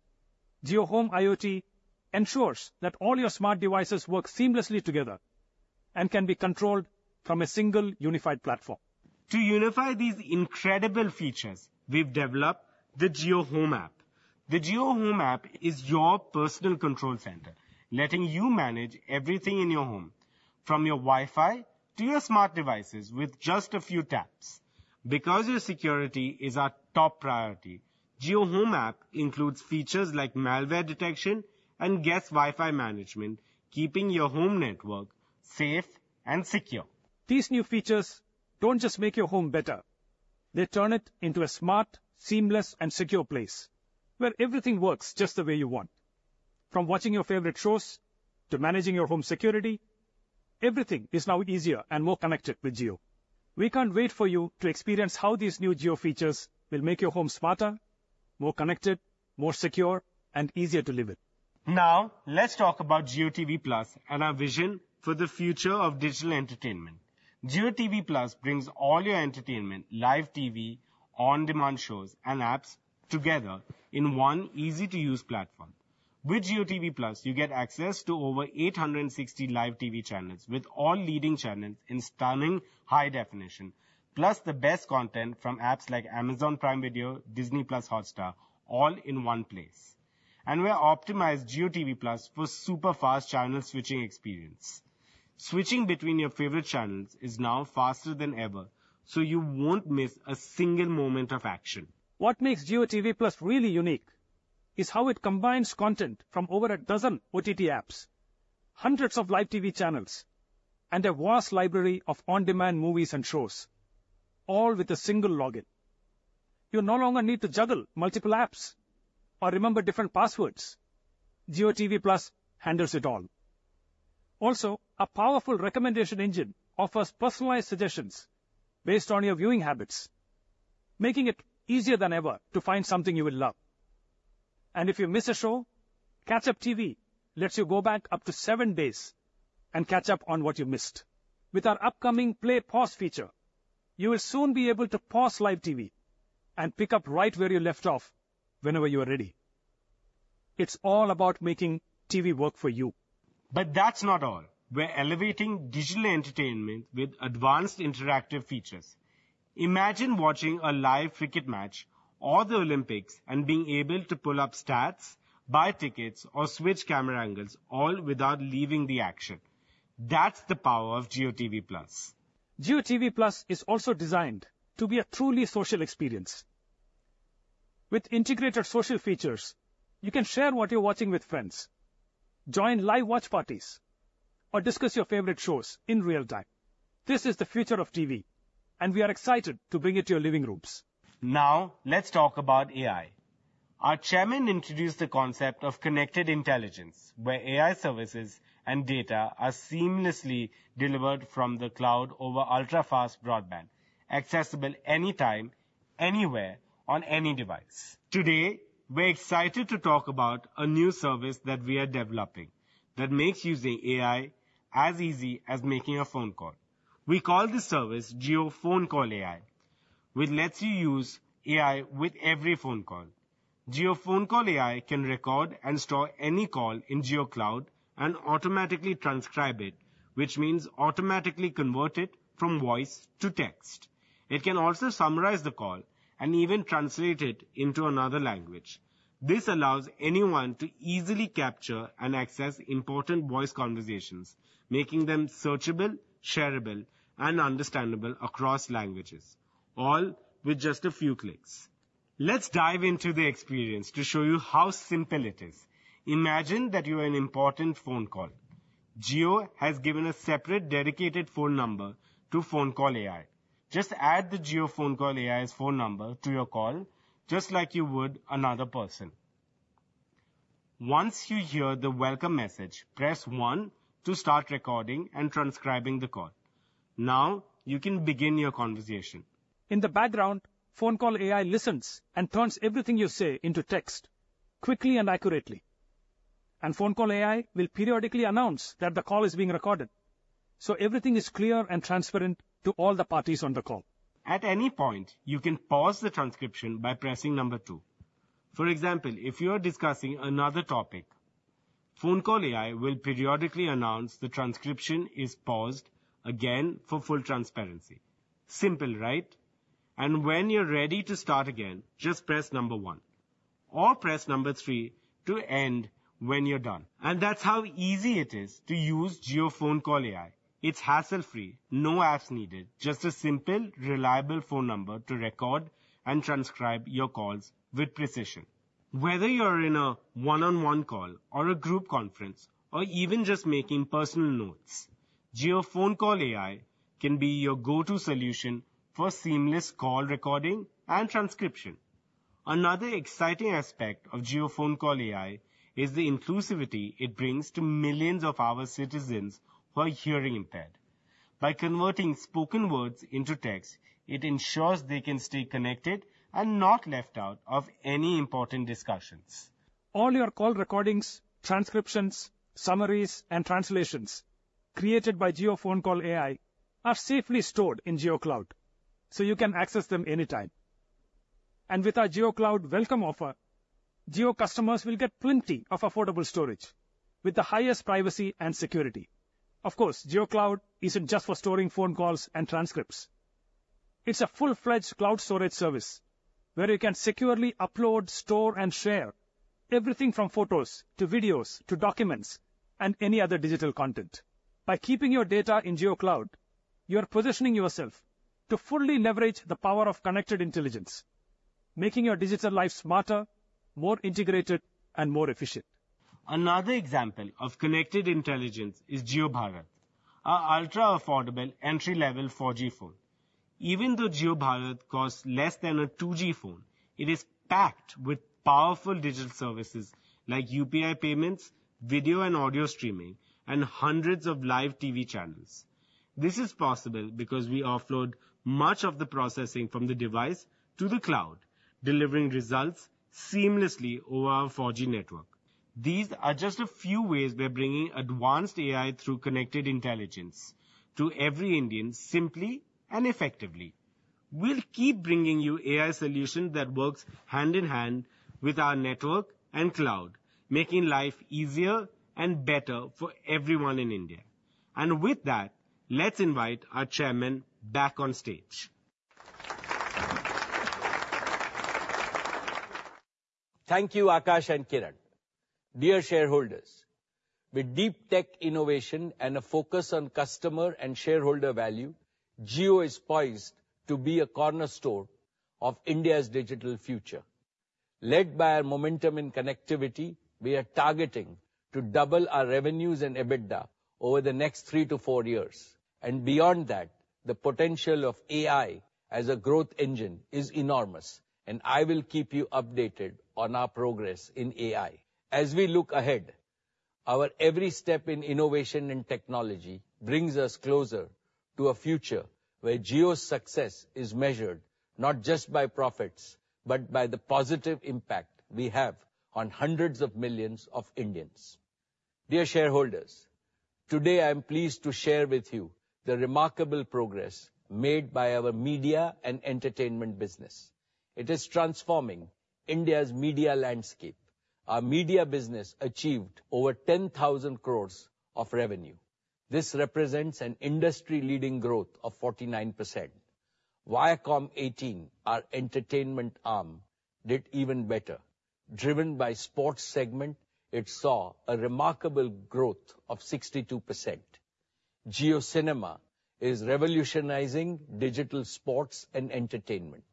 JioHome IoT ensures that all your smart devices work seamlessly together and can be controlled from a single unified platform. To unify these incredible features, we've developed the JioHome app. The JioHome app is your personal control center, letting you manage everything in your home, from your Wi-Fi to your smart devices, with just a few taps. Because your security is our top priority, JioHome app includes features like malware detection and guest Wi-Fi management, keeping your home network safe and secure. These new features don't just make your home better, they turn it into a smart, seamless, and secure place where everything works just the way you want. From watching your favorite shows to managing your home security, everything is now easier and more connected with Jio. We can't wait for you to experience how these new Jio features will make your home smarter, more connected, more secure, and easier to live in. Now, let's talk about JioTV+ and our vision for the future of digital entertainment. JioTV+ brings all your entertainment, live TV, on-demand shows, and apps together in one easy-to-use platform. With JioTV+, you get access to over 860 live TV channels, with all leading channels in stunning high definition, plus the best content from apps like Amazon Prime Video, Disney+ Hotstar, all in one place, and we optimized JioTV+ for super fast channel switching experience. Switching between your favorite channels is now faster than ever, so you won't miss a single moment of action. What makes JioTV+ really unique is how it combines content from over a dozen OTT apps, hundreds of live TV channels, and a vast library of on-demand movies and shows, all with a single login. You no longer need to juggle multiple apps or remember different passwords. JioTV+ handles it all. Also, a powerful recommendation engine offers personalized suggestions based on your viewing habits, making it easier than ever to find something you will love. And if you miss a show, Catch Up TV lets you go back up to seven days and catch up on what you missed. With our upcoming Play Pause feature, you will soon be able to pause live TV and pick up right where you left off whenever you are ready. It's all about making TV work for you. But that's not all. We're elevating digital entertainment with advanced interactive features. Imagine watching a live cricket match or the Olympics and being able to pull up stats, buy tickets, or switch camera angles, all without leaving the action. That's the power of JioTV+. JioTV+ is also designed to be a truly social experience. With integrated social features, you can share what you're watching with friends, join live watch parties, or discuss your favorite shows in real time. This is the future of TV, and we are excited to bring it to your living rooms. Now, let's talk about AI. Our chairman introduced the concept of connected intelligence, where AI services and data are seamlessly delivered from the cloud over ultra-fast broadband, accessible anytime, anywhere, on any device. Today, we're excited to talk about a new service that we are developing that makes using AI as easy as making a phone call. We call this service JioPhoneCall AI, which lets you use AI with every phone call. JioPhoneCall AI can record and store any call in JioCloud and automatically transcribe it, which means automatically convert it from voice to text. It can also summarize the call and even translate it into another language.... This allows anyone to easily capture and access important voice conversations, making them searchable, shareable, and understandable across languages, all with just a few clicks. Let's dive into the experience to show you how simple it is. Imagine that you are in an important phone call. Jio has given a separate dedicated phone number to JioPhoneCall AI. Just add the JioPhoneCall AI's phone number to your call, just like you would another person. Once you hear the welcome message, press one to start recording and transcribing the call. Now you can begin your conversation. In the background, JioPhoneCall AI listens and turns everything you say into text, quickly and accurately, and JioPhoneCall AI will periodically announce that the call is being recorded, so everything is clear and transparent to all the parties on the call. At any point, you can pause the transcription by pressing number two. For example, if you are discussing another topic, JioPhoneCall AI will periodically announce the transcription is paused again for full transparency. Simple, right? And when you're ready to start again, just press number one, or press number three to end when you're done. And that's how easy it is to use JioPhoneCall AI. It's hassle-free, no apps needed, just a simple, reliable phone number to record and transcribe your calls with precision. Whether you're in a one-on-one call or a group conference or even just making personal notes, JioPhoneCall AI can be your go-to solution for seamless call recording and transcription. Another exciting aspect of JioPhoneCall AI is the inclusivity it brings to millions of our citizens who are hearing impaired. By converting spoken words into text, it ensures they can stay connected and not left out of any important discussions. All your call recordings, transcriptions, summaries, and translations created by JioPhoneCall AI are safely stored in JioCloud, so you can access them anytime. And with our JioCloud welcome offer, Jio customers will get plenty of affordable storage with the highest privacy and security. Of course, JioCloud isn't just for storing phone calls and transcripts. It's a full-fledged cloud storage service where you can securely upload, store, and share everything from photos to videos, to documents and any other digital content. By keeping your data in JioCloud, you are positioning yourself to fully leverage the power of Connected Intelligence, making your digital life smarter, more integrated, and more efficient. Another example of connected intelligence is Jio Bharat, our ultra-affordable entry-level 4G phone. Even though Jio Bharat costs less than a 2G phone, it is packed with powerful digital services like UPI payments, video and audio streaming, and hundreds of live TV channels. This is possible because we offload much of the processing from the device to the cloud, delivering results seamlessly over our 4G network. These are just a few ways we are bringing advanced AI through connected intelligence to every Indian, simply and effectively. We'll keep bringing you AI solutions that works hand in hand with our network and cloud, making life easier and better for everyone in India. And with that, let's invite our chairman back on stage. Thank you, Akash and Kiran. Dear shareholders, with deep tech innovation and a focus on customer and shareholder value, Jio is poised to be a cornerstone of India's digital future. Led by our momentum in connectivity, we are targeting to double our revenues and EBITDA over the next three to four years, and beyond that, the potential of AI as a growth engine is enormous, and I will keep you updated on our progress in AI. As we look ahead, our every step in innovation and technology brings us closer to a future where Jio's success is measured not just by profits, but by the positive impact we have on hundreds of millions of Indians. Dear shareholders, today, I am pleased to share with you the remarkable progress made by our media and entertainment business. It is transforming India's media landscape. Our media business achieved over 10,000 crore of revenue. This represents an industry-leading growth of 49%. Viacom18, our entertainment arm, did even better. Driven by sports segment, it saw a remarkable growth of 62%. JioCinema is revolutionizing digital sports and entertainment.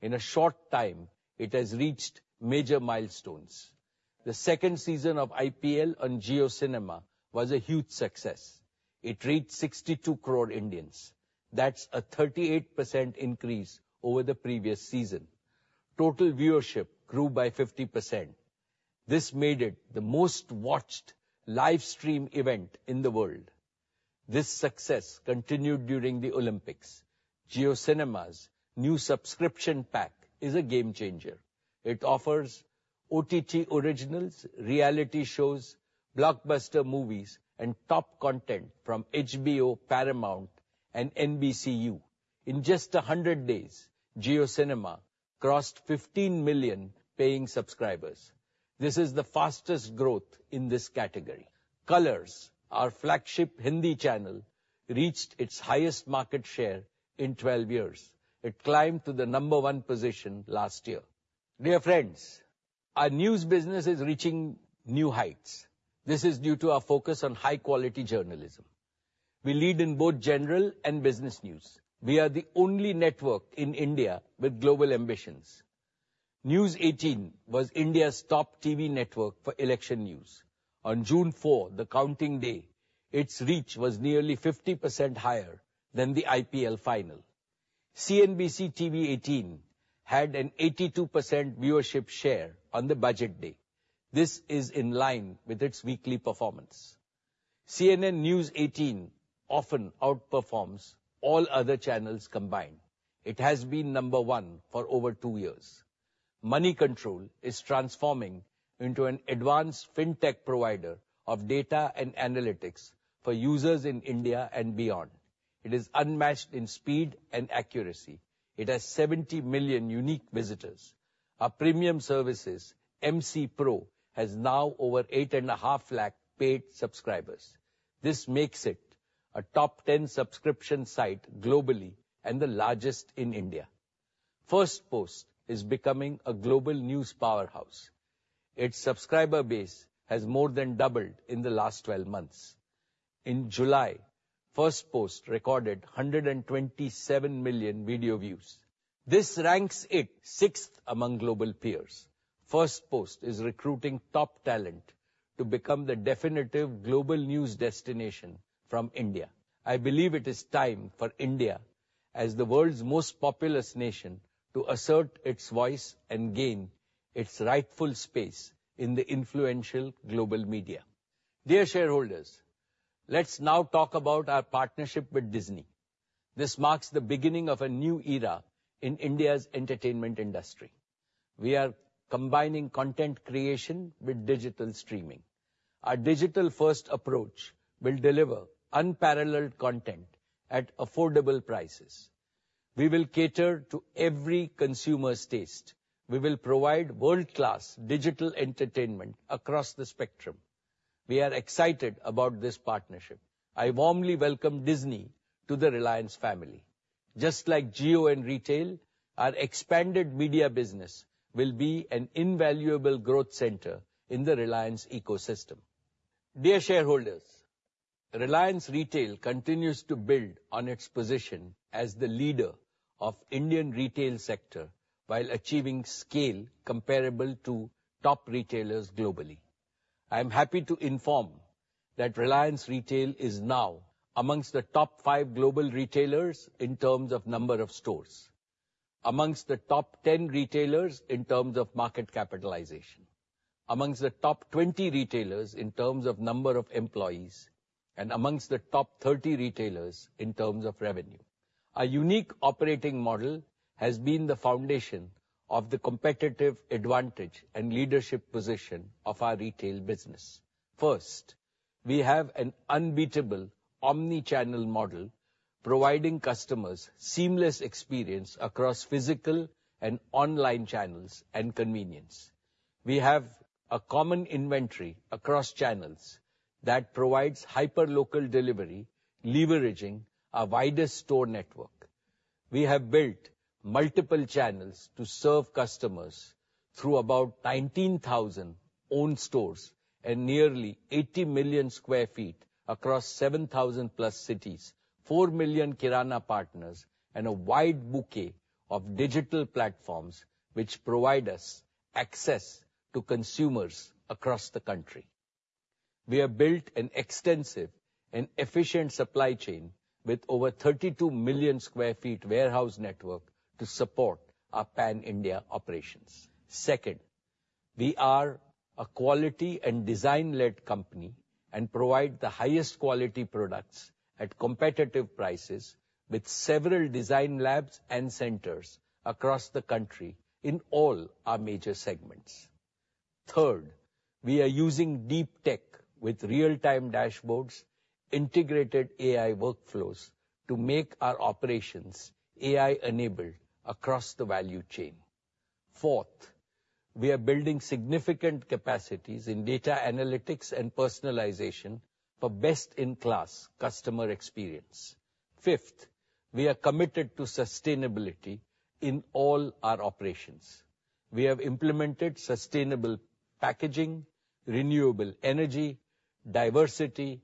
In a short time, it has reached major milestones. The second season of IPL on JioCinema was a huge success. It reached 62 crore Indians. That's a 38% increase over the previous season. Total viewership grew by 50%. This made it the most-watched live stream event in the world. This success continued during the Olympics. JioCinema's new subscription pack is a game changer. It offers OTT originals, reality shows, blockbuster movies, and top content from HBO, Paramount, and NBCU. In just 100 days, JioCinema crossed 15 million paying subscribers. This is the fastest growth in this category. Colors, our flagship Hindi channel, reached its highest market share in twelve years. It climbed to the number one position last year. Dear friends, our news business is reaching new heights. This is due to our focus on high quality journalism. We lead in both general and business news. We are the only network in India with global ambitions. News18 was India's top TV network for election news. On June four, the counting day, its reach was nearly 50% higher than the IPL final. CNBC-TV18 had an 82% viewership share on the budget day. This is in line with its weekly performance. CNN-News18 often outperforms all other channels combined. It has been number one for over two years. Moneycontrol is transforming into an advanced fintech provider of data and analytics for users in India and beyond. It is unmatched in speed and accuracy. It has 70 million unique visitors. Our premium services, MC Pro, has now over 850,000 paid subscribers. This makes it a top 10 subscription site globally and the largest in India. Firstpost is becoming a global news powerhouse. Its subscriber base has more than doubled in the last 12 months. In July, Firstpost recorded 127 million video views. This ranks it sixth among global peers. Firstpost is recruiting top talent to become the definitive global news destination from India. I believe it is time for India, as the world's most populous nation, to assert its voice and gain its rightful space in the influential global media. Dear shareholders, let's now talk about our partnership with Disney. This marks the beginning of a new era in India's entertainment industry. We are combining content creation with digital streaming. Our digital-first approach will deliver unparalleled content at affordable prices. We will cater to every consumer's taste. We will provide world-class digital entertainment across the spectrum. We are excited about this partnership. I warmly welcome Disney to the Reliance family. Just like Jio and Retail, our expanded media business will be an invaluable growth center in the Reliance ecosystem. Dear shareholders, Reliance Retail continues to build on its position as the leader of Indian retail sector while achieving scale comparable to top retailers globally. I am happy to inform that Reliance Retail is now among the top five global retailers in terms of number of stores, among the top ten retailers in terms of market capitalization, among the top 20 retailers in terms of number of employees, and among the top thirty retailers in terms of revenue. Our unique operating model has been the foundation of the competitive advantage and leadership position of our retail business. First, we have an unbeatable omni-channel model, providing customers seamless experience across physical and online channels and convenience. We have a common inventory across channels that provides hyperlocal delivery, leveraging our widest store network. We have built multiple channels to serve customers through about 19,000 own stores and nearly 80 million sq ft across 7,000+ cities, 4 million kirana partners, and a wide bouquet of digital platforms, which provide us access to consumers across the country. We have built an extensive and efficient supply chain with over 32 million sq ft warehouse network to support our Pan-India operations. Second, we are a quality and design-led company and provide the highest quality products at competitive prices with several design labs and centers across the country in all our major segments. Third, we are using deep tech with real-time dashboards, integrated AI workflows, to make our operations AI-enabled across the value chain. Fourth, we are building significant capacities in data analytics and personalization for best-in-class customer experience. Fifth, we are committed to sustainability in all our operations. We have implemented sustainable packaging, renewable energy, diversity,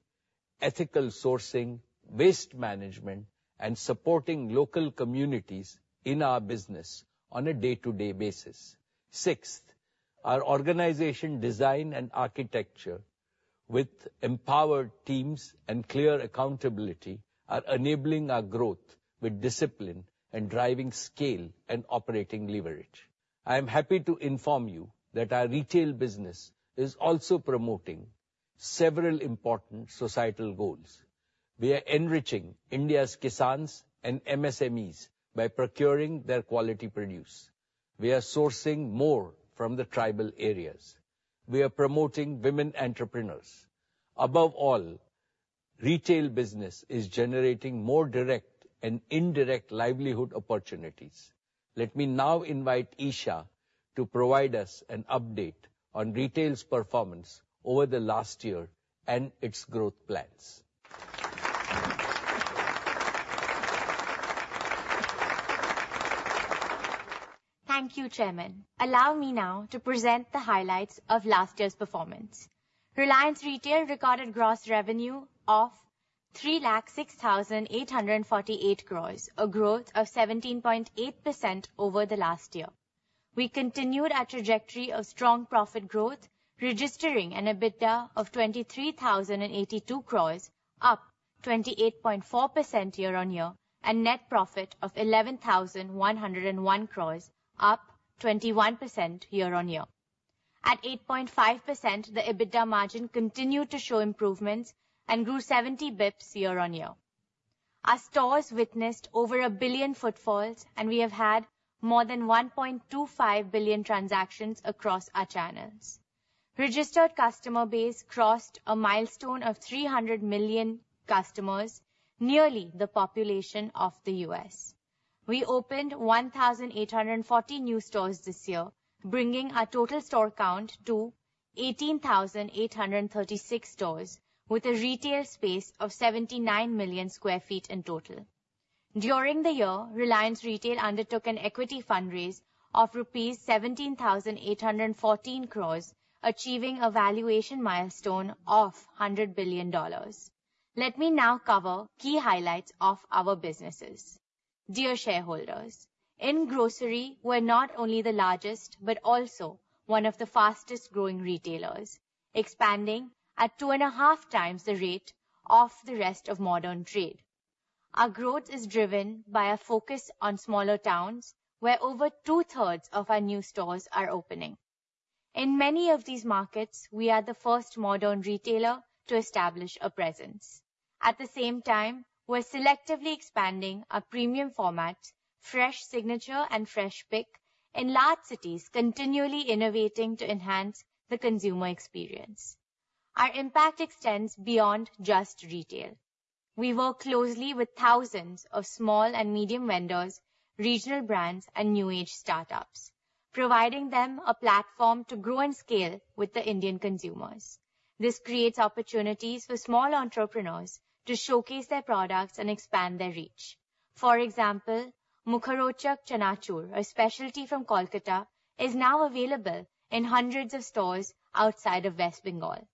ethical sourcing, waste management, and supporting local communities in our business on a day-to-day basis. Sixth, our organization design and architecture with empowered teams and clear accountability are enabling our growth with discipline and driving scale and operating leverage. I am happy to inform you that our retail business is also promoting several important societal goals. We are enriching India's kisans and MSMEs by procuring their quality produce. We are sourcing more from the tribal areas. We are promoting women entrepreneurs. Above all, retail business is generating more direct and indirect livelihood opportunities. Let me now invite Isha to provide us an update on retail's performance over the last year and its growth plans. Thank you, Chairman. Allow me now to present the highlights of last year's performance. Reliance Retail recorded gross revenue of 3,06,848 crore, a growth of 17.8% over the last year. We continued our trajectory of strong profit growth, registering an EBITDA of 23,082 crore, up 28.4% year-on-year, and net profit of 11,101 crore, up 21% year-on-year. At 8.5%, the EBITDA margin continued to show improvements and grew seventy basis points year-on-year. Our stores witnessed over a billion footfalls, and we have had more than 1.25 billion transactions across our channels. Registered customer base crossed a milestone of 300 million customers, nearly the population of the U.S. We opened 1,840 new stores this year, bringing our total store count to 18,836 stores, with a retail space of 79 million sq ft in total. During the year, Reliance Retail undertook an equity fundraise of INR 17,814 crore, achieving a valuation milestone of $100 billion. Let me now cover key highlights of our businesses. Dear shareholders, in grocery, we're not only the largest, but also one of the fastest-growing retailers, expanding at 2.5 times the rate of the rest of modern trade. Our growth is driven by a focus on smaller towns, where over two-thirds of our new stores are opening. In many of these markets, we are the first modern retailer to establish a presence. At the same time, we're selectively expanding our premium format, Fresh Signature and Freshpik, in large cities, continually innovating to enhance the consumer experience. Our impact extends beyond just retail. We work closely with thousands of small and medium vendors, regional brands, and new-age startups, providing them a platform to grow and scale with the Indian consumers. This creates opportunities for small entrepreneurs to showcase their products and expand their reach. For example, Mukharochak Chanachur, a specialty from Kolkata, is now available in hundreds of stores outside of West Bengal.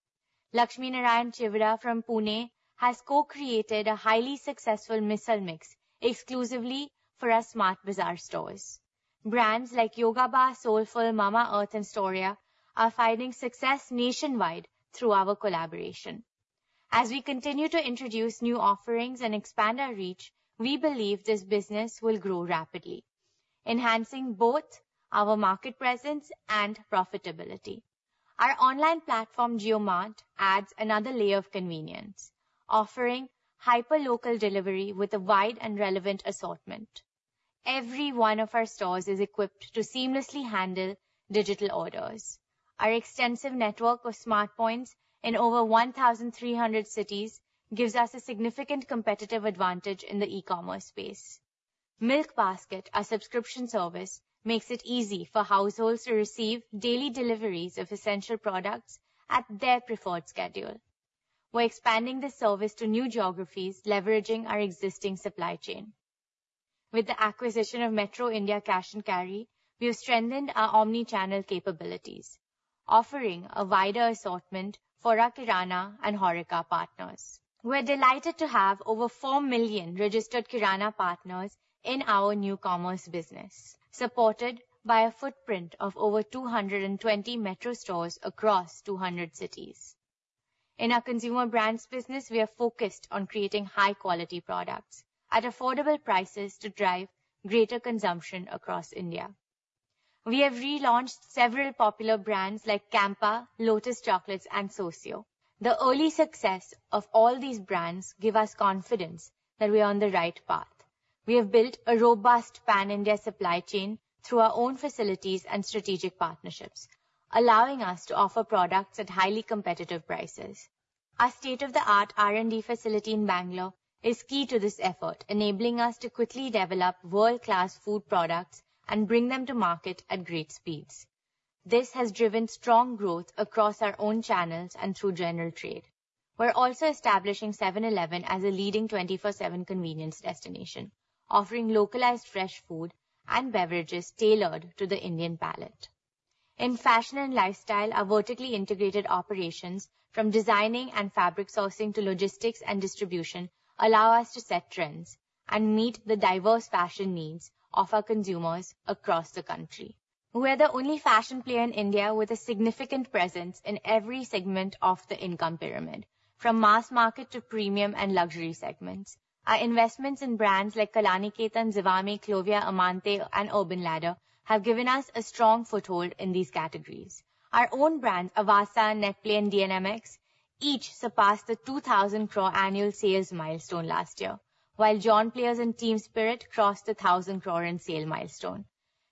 Laxminarayan Chiwda from Pune has co-created a highly successful misal mix exclusively for our Smart Bazaar stores. Brands like Yoga Bar, Soulfull, Mamaearth, and Storia are finding success nationwide through our collaboration. As we continue to introduce new offerings and expand our reach, we believe this business will grow rapidly, enhancing both our market presence and profitability. Our online platform, JioMart, adds another layer of convenience, offering hyper local delivery with a wide and relevant assortment. Every one of our stores is equipped to seamlessly handle digital orders. Our extensive network of Smart Points in over 1,300 cities gives us a significant competitive advantage in the e-commerce space. Milkbasket, our subscription service, makes it easy for households to receive daily deliveries of essential products at their preferred schedule. We're expanding this service to new geographies, leveraging our existing supply chain. With the acquisition of Metro India Cash and Carry, we have strengthened our omni-channel capabilities, offering a wider assortment for our kirana and HoReCa partners. We're delighted to have over 4 million registered kirana partners in our new commerce business, supported by a footprint of over 220 Metro stores across 200 cities. In our consumer brands business, we are focused on creating high-quality products at affordable prices to drive greater consumption across India. We have relaunched several popular brands like Campa, Lotus Chocolates, and Sosyo. The early success of all these brands give us confidence that we are on the right path. We have built a robust pan-India supply chain through our own facilities and strategic partnerships, allowing us to offer products at highly competitive prices. Our state-of-the-art R&D facility in Bangalore is key to this effort, enabling us to quickly develop world-class food products and bring them to market at great speeds. This has driven strong growth across our own channels and through general trade. We're also establishing 7-Eleven as a leading 24/7 convenience destination, offering localized fresh food and beverages tailored to the Indian palate. In fashion and lifestyle, our vertically integrated operations, from designing and fabric sourcing to logistics and distribution, allow us to set trends and meet the diverse fashion needs of our consumers across the country. We are the only fashion player in India with a significant presence in every segment of the income pyramid, from mass market to premium and luxury segments. Our investments in brands like Kalanikethan, Zivame, Clovia, Amante, and Urban Ladder have given us a strong foothold in these categories. Our own brands, Avaasa, Netplay, and DNMX, each surpassed the two thousand crore annual sales milestone last year, while John Players and Teamspirit crossed the thousand crore sales milestone.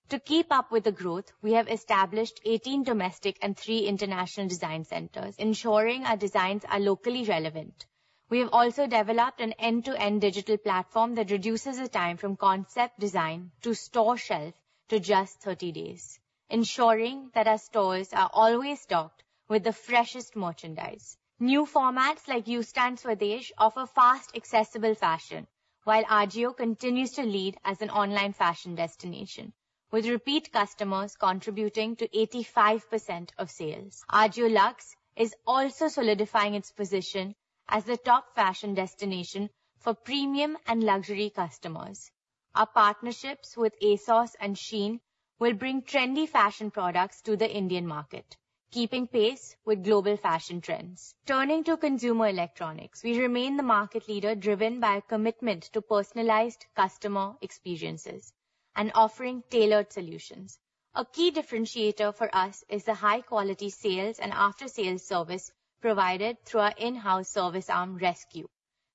To keep up with the growth, we have established eighteen domestic and three international design centers, ensuring our designs are locally relevant. We have also developed an end-to-end digital platform that reduces the time from concept design to store shelf to just thirty days, ensuring that our stores are always stocked with the freshest merchandise. New formats like Yousta and Swadesh offer fast, accessible fashion, while Ajio continues to lead as an online fashion destination, with repeat customers contributing to 85% of sales. Ajio Luxe is also solidifying its position as the top fashion destination for premium and luxury customers. Our partnerships with ASOS and Shein will bring trendy fashion products to the Indian market, keeping pace with global fashion trends. Turning to consumer electronics, we remain the market leader, driven by a commitment to personalized customer experiences and offering tailored solutions. A key differentiator for us is the high-quality sales and after-sales service provided through our in-house service arm, resQ.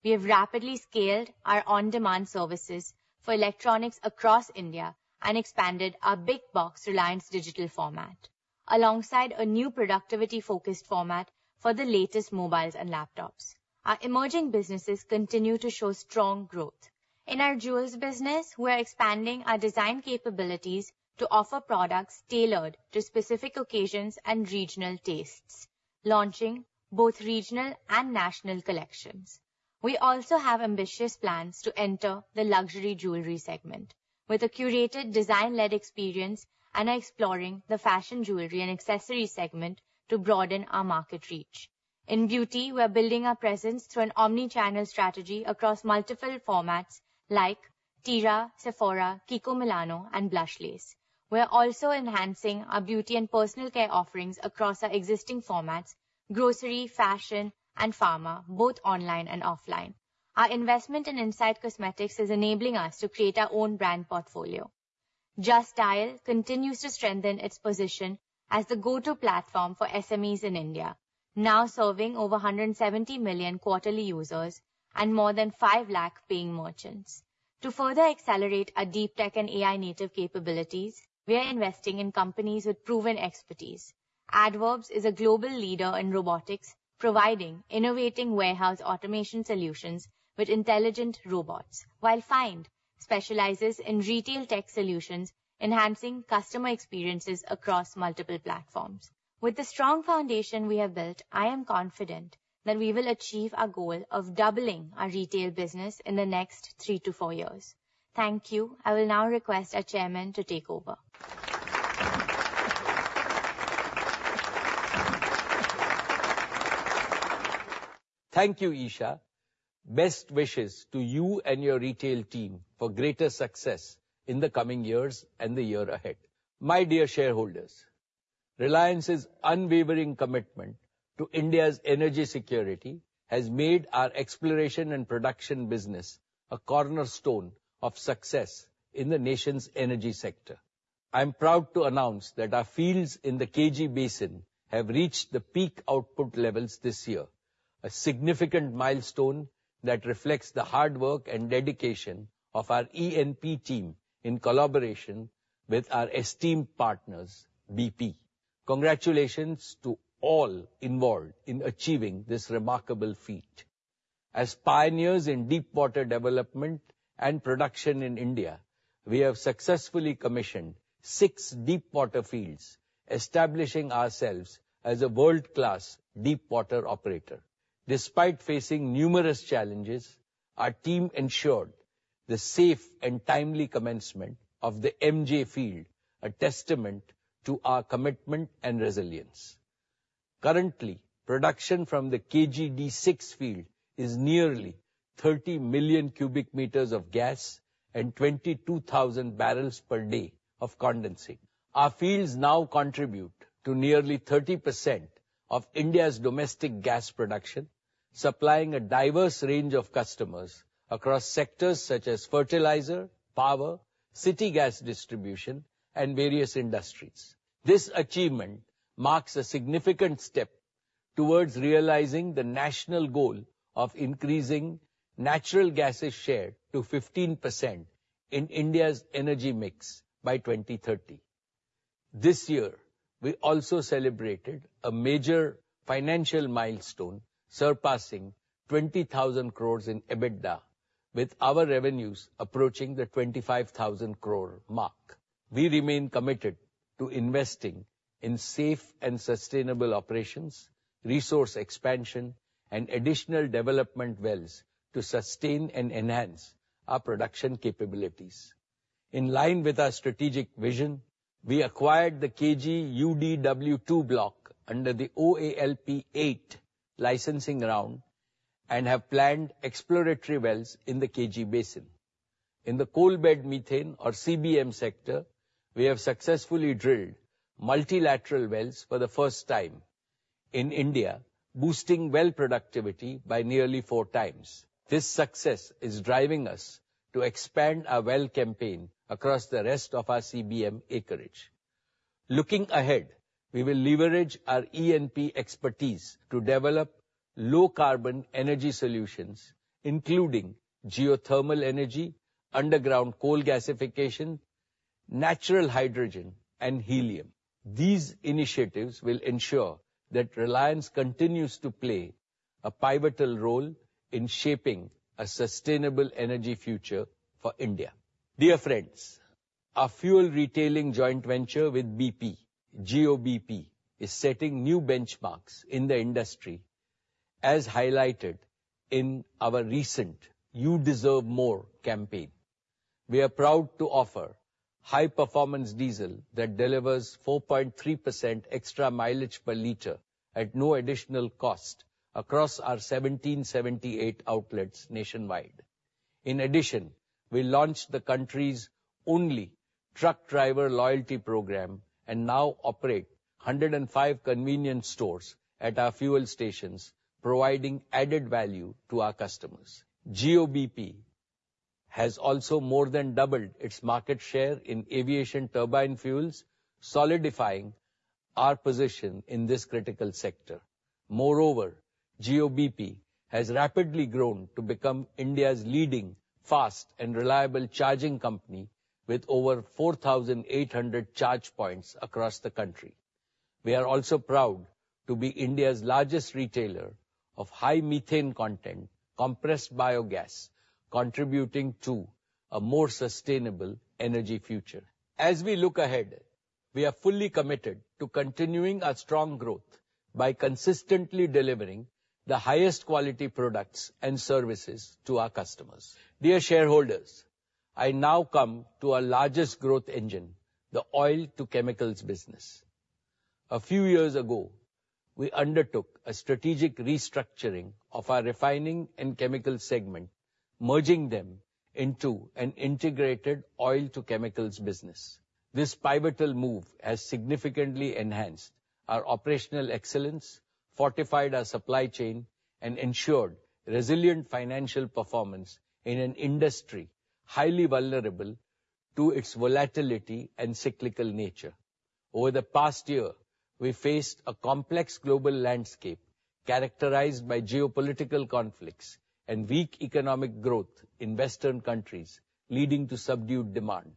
We have rapidly scaled our on-demand services for electronics across India and expanded our big box Reliance Digital format, alongside a new productivity-focused format for the latest mobiles and laptops. Our emerging businesses continue to show strong growth. In our jewels business, we are expanding our design capabilities to offer products tailored to specific occasions and regional tastes, launching both regional and national collections. We also have ambitious plans to enter the luxury jewelry segment with a curated, design-led experience and are exploring the fashion jewelry and accessory segment to broaden our market reach. In beauty, we are building our presence through an omni-channel strategy across multiple formats like Tira, Sephora, Kiko Milano, and Blushlace. We are also enhancing our beauty and personal care offerings across our existing formats, grocery, fashion, and pharma, both online and offline. Our investment in Insight Cosmetics is enabling us to create our own brand portfolio. JustDial continues to strengthen its position as the go-to platform for SMEs in India, now serving over 170 million quarterly users and more than five lakh paying merchants. To further accelerate our deep tech and AI-native capabilities, we are investing in companies with proven expertise. Addverb is a global leader in robotics, providing innovative warehouse automation solutions with intelligent robots, while Fynd specializes in retail tech solutions, enhancing customer experiences across multiple platforms. With the strong foundation we have built, I am confident that we will achieve our goal of doubling our retail business in the next three to four years. Thank you. I will now request our chairman to take over. Thank you, Isha. Best wishes to you and your retail team for greater success in the coming years and the year ahead. My dear shareholders, Reliance's unwavering commitment to India's energy security has made our exploration and production business a cornerstone of success in the nation's energy sector. I'm proud to announce that our fields in the KG Basin have reached the peak output levels this year, a significant milestone that reflects the hard work and dedication of our E&P team in collaboration with our esteemed partners, BP. Congratulations to all involved in achieving this remarkable feat. As pioneers in deepwater development and production in India, we have successfully commissioned six deepwater fields, establishing ourselves as a world-class deepwater operator. Despite facing numerous challenges, our team ensured the safe and timely commencement of the MJ field, a testament to our commitment and resilience. Currently, production from the KG-D6 field is nearly 30 million cubic meters of gas and 22,000 barrels per day of condensate. Our fields now contribute to nearly 30% of India's domestic gas production, supplying a diverse range of customers across sectors such as fertilizer, power, city gas distribution, and various industries. This achievement marks a significant step towards realizing the national goal of increasing natural gas's share to 15% in India's energy mix by 2030. This year, we also celebrated a major financial milestone, surpassing 20,000 crore in EBITDA, with our revenues approaching the 25,000 crore mark. We remain committed to investing in safe and sustainable operations, resource expansion, and additional development wells to sustain and enhance our production capabilities. In line with our strategic vision, we acquired the KG-UDW-2 block under the OALP-8 licensing round and have planned exploratory wells in the KG Basin. In the coalbed methane, or CBM, sector, we have successfully drilled multilateral wells for the first time in India, boosting well productivity by nearly four times. This success is driving us to expand our well campaign across the rest of our CBM acreage. Looking ahead, we will leverage our E&P expertise to develop low carbon energy solutions, including geothermal energy, underground coal gasification, natural hydrogen and helium. These initiatives will ensure that Reliance continues to play a pivotal role in shaping a sustainable energy future for India. Dear friends, our fuel retailing joint venture with BP, Jio-bp, is setting new benchmarks in the industry, as highlighted in our recent You Deserve More campaign. We are proud to offer high performance diesel that delivers 4.3% extra mileage per liter at no additional cost across our 1,778 outlets nationwide. In addition, we launched the country's only truck driver loyalty program and now operate 105 convenience stores at our fuel stations, providing added value to our customers. Jio-bp has also more than doubled its market share in aviation turbine fuels, solidifying our position in this critical sector. Moreover, Jio-bp has rapidly grown to become India's leading fast and reliable charging company with over 4,800 charge points across the country. We are also proud to be India's largest retailer of high methane content, compressed biogas, contributing to a more sustainable energy future. As we look ahead, we are fully committed to continuing our strong growth by consistently delivering the highest quality products and services to our customers. Dear shareholders, I now come to our largest growth engine, the Oil-to-Chemicals business. A few years ago, we undertook a strategic restructuring of our refining and chemical segment, merging them into an integrated Oil-to-Chemicals business. This pivotal move has significantly enhanced our operational excellence, fortified our supply chain, and ensured resilient financial performance in an industry highly vulnerable to its volatility and cyclical nature. Over the past year, we faced a complex global landscape characterized by geopolitical conflicts and weak economic growth in Western countries, leading to subdued demand.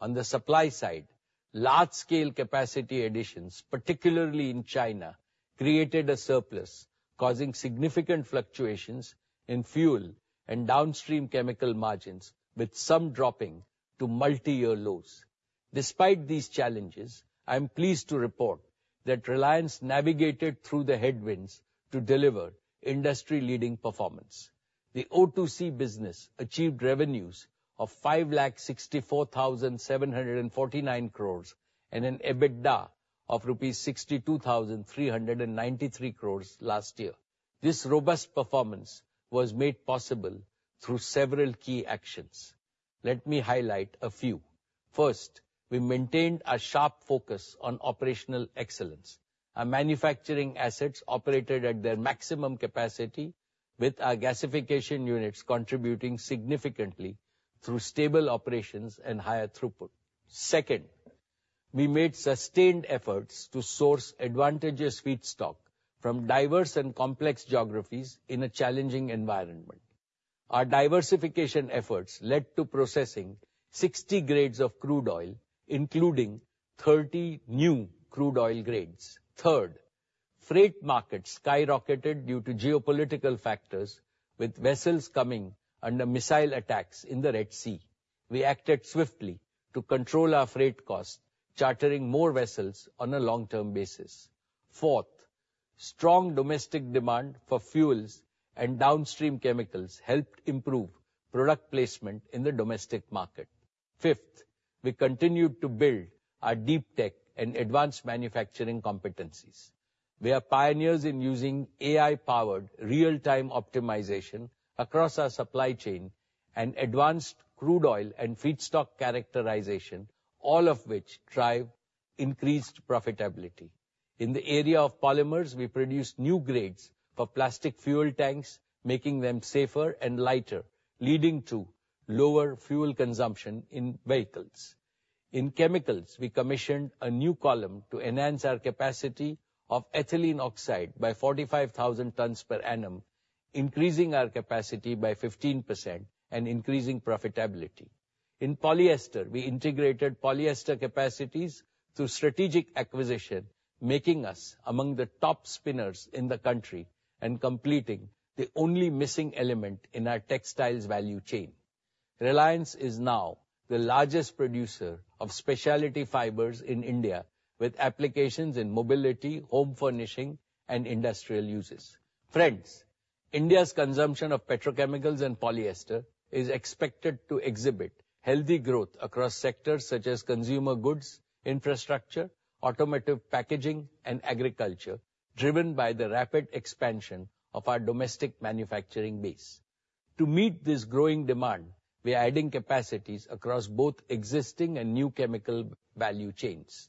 On the supply side, large-scale capacity additions, particularly in China, created a surplus, causing significant fluctuations in fuel and downstream chemical margins, with some dropping to multi-year lows. Despite these challenges, I am pleased to report that Reliance navigated through the headwinds to deliver industry-leading performance. The O2C business achieved revenues of 5,64,749 crore and an EBITDA of rupees 62,393 crore last year. This robust performance was made possible through several key actions. Let me highlight a few. First, we maintained a sharp focus on operational excellence. Our manufacturing assets operated at their maximum capacity, with our gasification units contributing significantly through stable operations and higher throughput. Second, we made sustained efforts to source advantageous feedstock from diverse and complex geographies in a challenging environment. Our diversification efforts led to processing 60 grades of crude oil, including 30 new crude oil grades. Third, freight markets skyrocketed due to geopolitical factors, with vessels coming under missile attacks in the Red Sea. We acted swiftly to control our freight costs, chartering more vessels on a long-term basis. Fourth, strong domestic demand for fuels and downstream chemicals helped improve product placement in the domestic market. Fifth, we continued to build our deep tech and advanced manufacturing competencies. We are pioneers in using AI-powered, real-time optimization across our supply chain and advanced crude oil and feedstock characterization, all of which drive increased profitability. In the area of polymers, we produced new grades for plastic fuel tanks, making them safer and lighter, leading to lower fuel consumption in vehicles. In chemicals, we commissioned a new column to enhance our capacity of ethylene oxide by 45,000 tons per annum, increasing our capacity by 15% and increasing profitability. In polyester, we integrated polyester capacities through strategic acquisition, making us among the top spinners in the country and completing the only missing element in our textiles value chain. Reliance is now the largest producer of specialty fibers in India, with applications in mobility, home furnishing, and industrial uses. Friends, India's consumption of petrochemicals and polyester is expected to exhibit healthy growth across sectors such as consumer goods, infrastructure, automotive packaging, and agriculture, driven by the rapid expansion of our domestic manufacturing base. To meet this growing demand, we are adding capacities across both existing and new chemical value chains.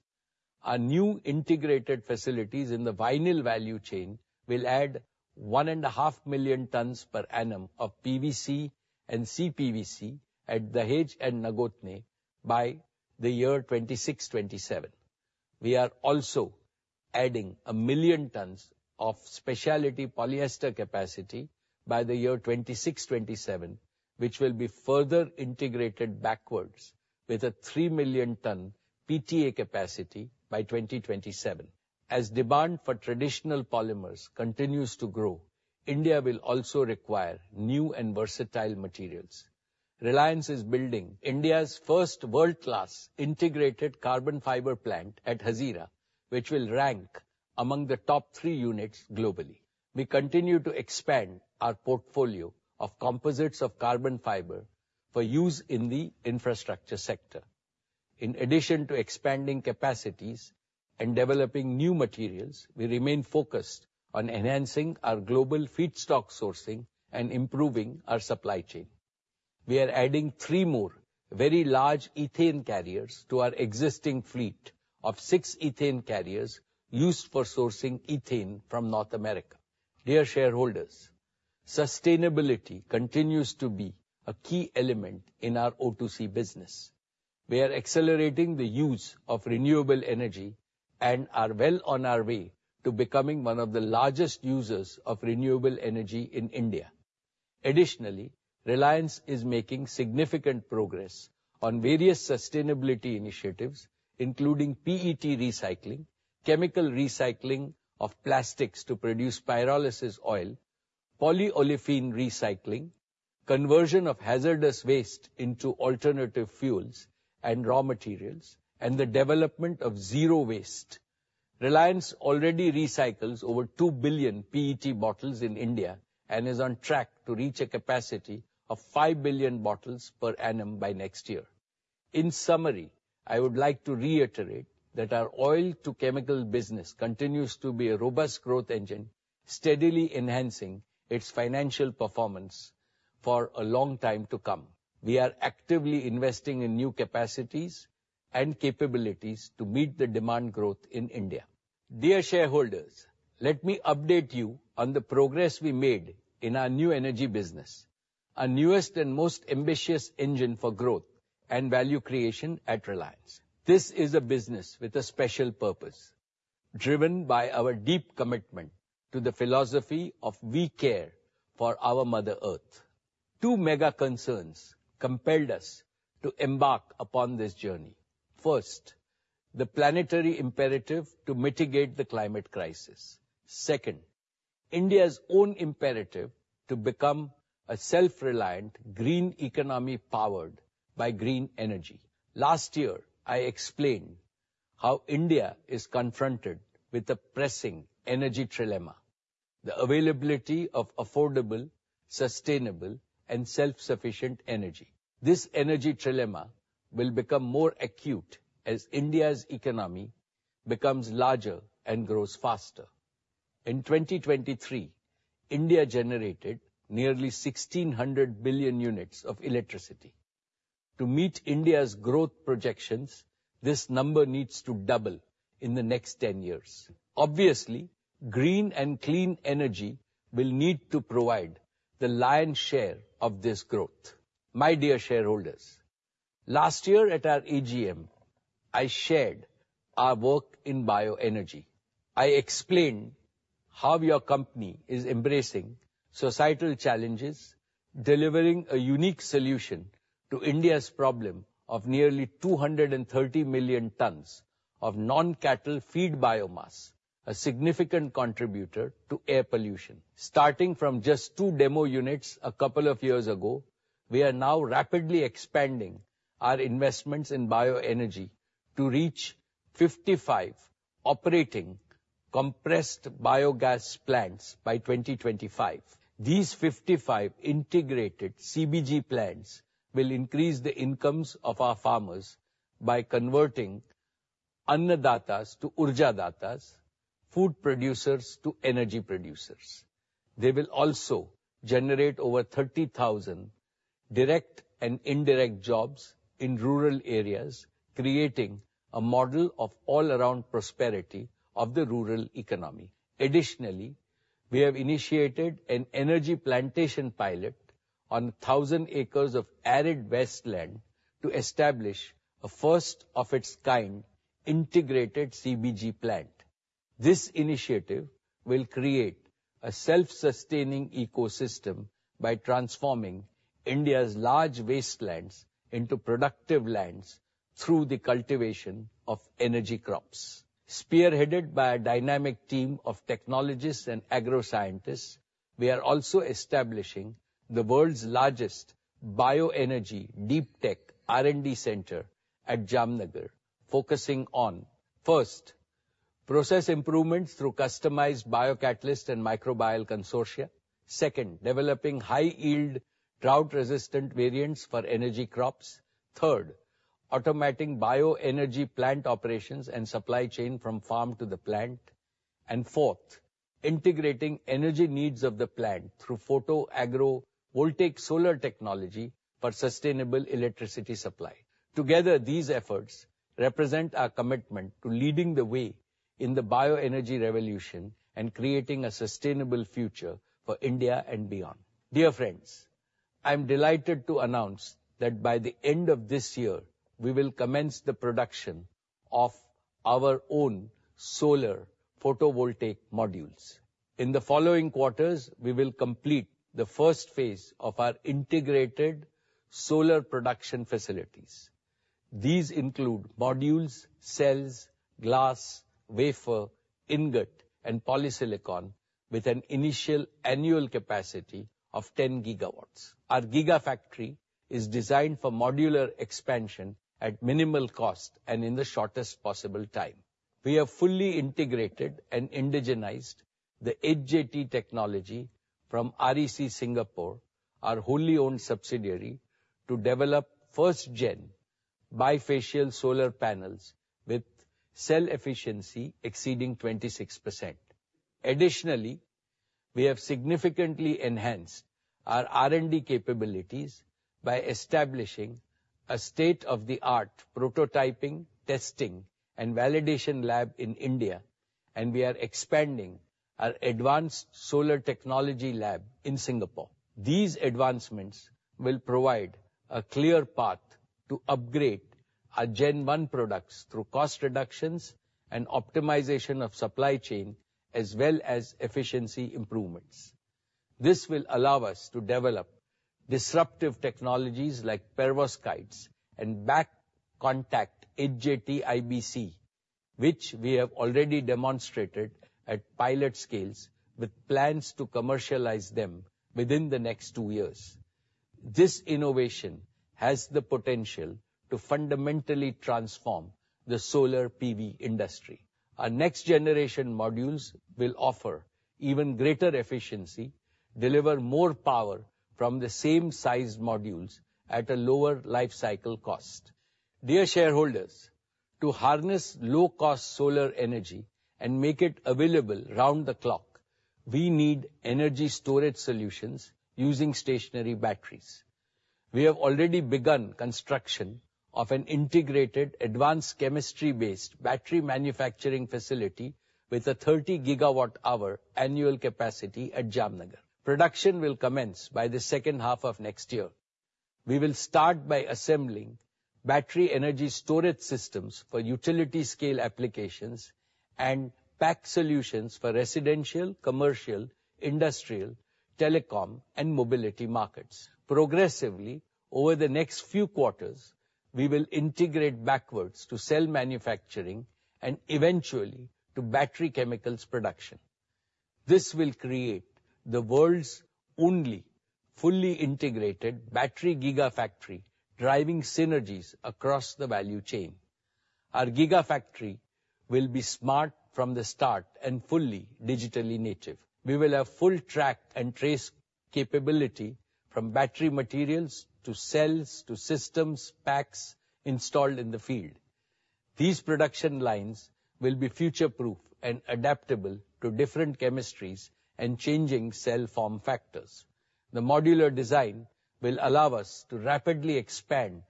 Our new integrated facilities in the vinyl value chain will add 1.5 million tons per annum of PVC and CPVC at Dahej and Nagothane by the year 2026-2027. We are also adding 1 million tons of specialty polyester capacity by the year 2026-2027, which will be further integrated backwards with a 3 million ton PTA capacity by 2027. As demand for traditional polymers continues to grow, India will also require new and versatile materials. Reliance is building India's first world-class integrated carbon fiber plant at Hazira, which will rank among the top three units globally. We continue to expand our portfolio of composites of carbon fiber for use in the infrastructure sector. In addition to expanding capacities and developing new materials, we remain focused on enhancing our global feedstock sourcing and improving our supply chain. We are adding three more very large ethane carriers to our existing fleet of six ethane carriers used for sourcing ethane from North America. Dear shareholders, sustainability continues to be a key element in our O2C business. We are accelerating the use of renewable energy and are well on our way to becoming one of the largest users of renewable energy in India. Additionally, Reliance is making significant progress on various sustainability initiatives, including PET recycling, chemical recycling of plastics to produce pyrolysis oil, polyolefin recycling, conversion of hazardous waste into alternative fuels and raw materials, and the development of zero waste. Reliance already recycles over two billion PET bottles in India and is on track to reach a capacity of five billion bottles per annum by next year. In summary, I would like to reiterate that our oil-to-chemical business continues to be a robust growth engine, steadily enhancing its financial performance for a long time to come. We are actively investing in new capacities and capabilities to meet the demand growth in India. Dear shareholders, let me update you on the progress we made in our new energy business, our newest and most ambitious engine for growth and value creation at Reliance. This is a business with a special purpose, driven by our deep commitment to the philosophy of we care for our Mother Earth. Two mega concerns compelled us to embark upon this journey. First, the planetary imperative to mitigate the climate crisis. Second, India's own imperative to become a self-reliant, green economy, powered by green energy. Last year, I explained how India is confronted with the pressing energy trilemma, the availability of affordable, sustainable, and self-sufficient energy. This energy trilemma will become more acute as India's economy becomes larger and grows faster. In 2023, India generated nearly 1,600 billion units of electricity. To meet India's growth projections, this number needs to double in the next 10 years. Obviously, green and clean energy will need to provide the lion's share of this growth. My dear shareholders, last year at our AGM, I shared our work in bioenergy. I explained how your company is embracing societal challenges, delivering a unique solution to India's problem of nearly 230 million tons of non-cattle feed biomass, a significant contributor to air pollution. Starting from just 2 demo units a couple of years ago, we are now rapidly expanding our investments in bioenergy to reach 55 operating compressed biogas plants by 2025. These 55 integrated CBG plants will increase the incomes of our farmers by converting annadatas to urjadatas, food producers to energy producers. They will also generate over 30,000 direct and indirect jobs in rural areas, creating a model of all-around prosperity of the rural economy. Additionally, we have initiated an energy plantation pilot on 1,000 acres of arid wasteland to establish a first-of-its-kind integrated CBG plant. This initiative will create a self-sustaining ecosystem by transforming India's large wastelands into productive lands through the cultivation of energy crops. Spearheaded by a dynamic team of technologists and agro scientists, we are also establishing the world's largest bioenergy deep tech R&D center at Jamnagar, focusing on first, process improvements through customized biocatalyst and microbial consortia, second, developing high-yield, drought-resistant variants for energy crops, third, automating bioenergy plant operations and supply chain from farm to the plant, and fourth, integrating energy needs of the plant through agrivoltaic solar technology for sustainable electricity supply. Together, these efforts represent our commitment to leading the way in the bioenergy revolution and creating a sustainable future for India and beyond. Dear friends! I'm delighted to announce that by the end of this year, we will commence the production of our own solar photovoltaic modules. In the following quarters, we will complete the first phase of our integrated solar production facilities. These include modules, cells, glass, wafer, ingot, and polysilicon, with an initial annual capacity of ten gigawatts. Our gigafactory is designed for modular expansion at minimal cost and in the shortest possible time. We have fully integrated and indigenized the HJT technology from REC Singapore, our wholly-owned subsidiary, to develop first-gen bifacial solar panels with cell efficiency exceeding 26%. Additionally, we have significantly enhanced our R&D capabilities by establishing a state-of-the-art prototyping, testing, and validation lab in India, and we are expanding our advanced solar technology lab in Singapore. These advancements will provide a clear path to upgrade our Gen 1 products through cost reductions and optimization of supply chain, as well as efficiency improvements. This will allow us to develop disruptive technologies like perovskites and back-contact HJT IBC, which we have already demonstrated at pilot scales, with plans to commercialize them within the next two years. This innovation has the potential to fundamentally transform the solar PV industry. Our next-generation modules will offer even greater efficiency, deliver more power from the same-sized modules at a lower life cycle cost. Dear shareholders, to harness low-cost solar energy and make it available round the clock, we need energy storage solutions using stationary batteries. We have already begun construction of an integrated, advanced, chemistry-based battery manufacturing facility with a 30-gigawatt-hour annual capacity at Jamnagar. Production will commence by the second half of next year. We will start by assembling battery energy storage systems for utility scale applications and pack solutions for residential, commercial, industrial, telecom, and mobility markets. Progressively, over the next few quarters, we will integrate backwards to cell manufacturing and eventually to battery chemicals production. This will create the world's only fully integrated battery Gigafactory, driving synergies across the value chain. Our Gigafactory will be smart from the start and fully digitally native. We will have full track and trace capability from battery materials to cells to systems, packs installed in the field. These production lines will be future-proof and adaptable to different chemistries and changing cell form factors. The modular design will allow us to rapidly expand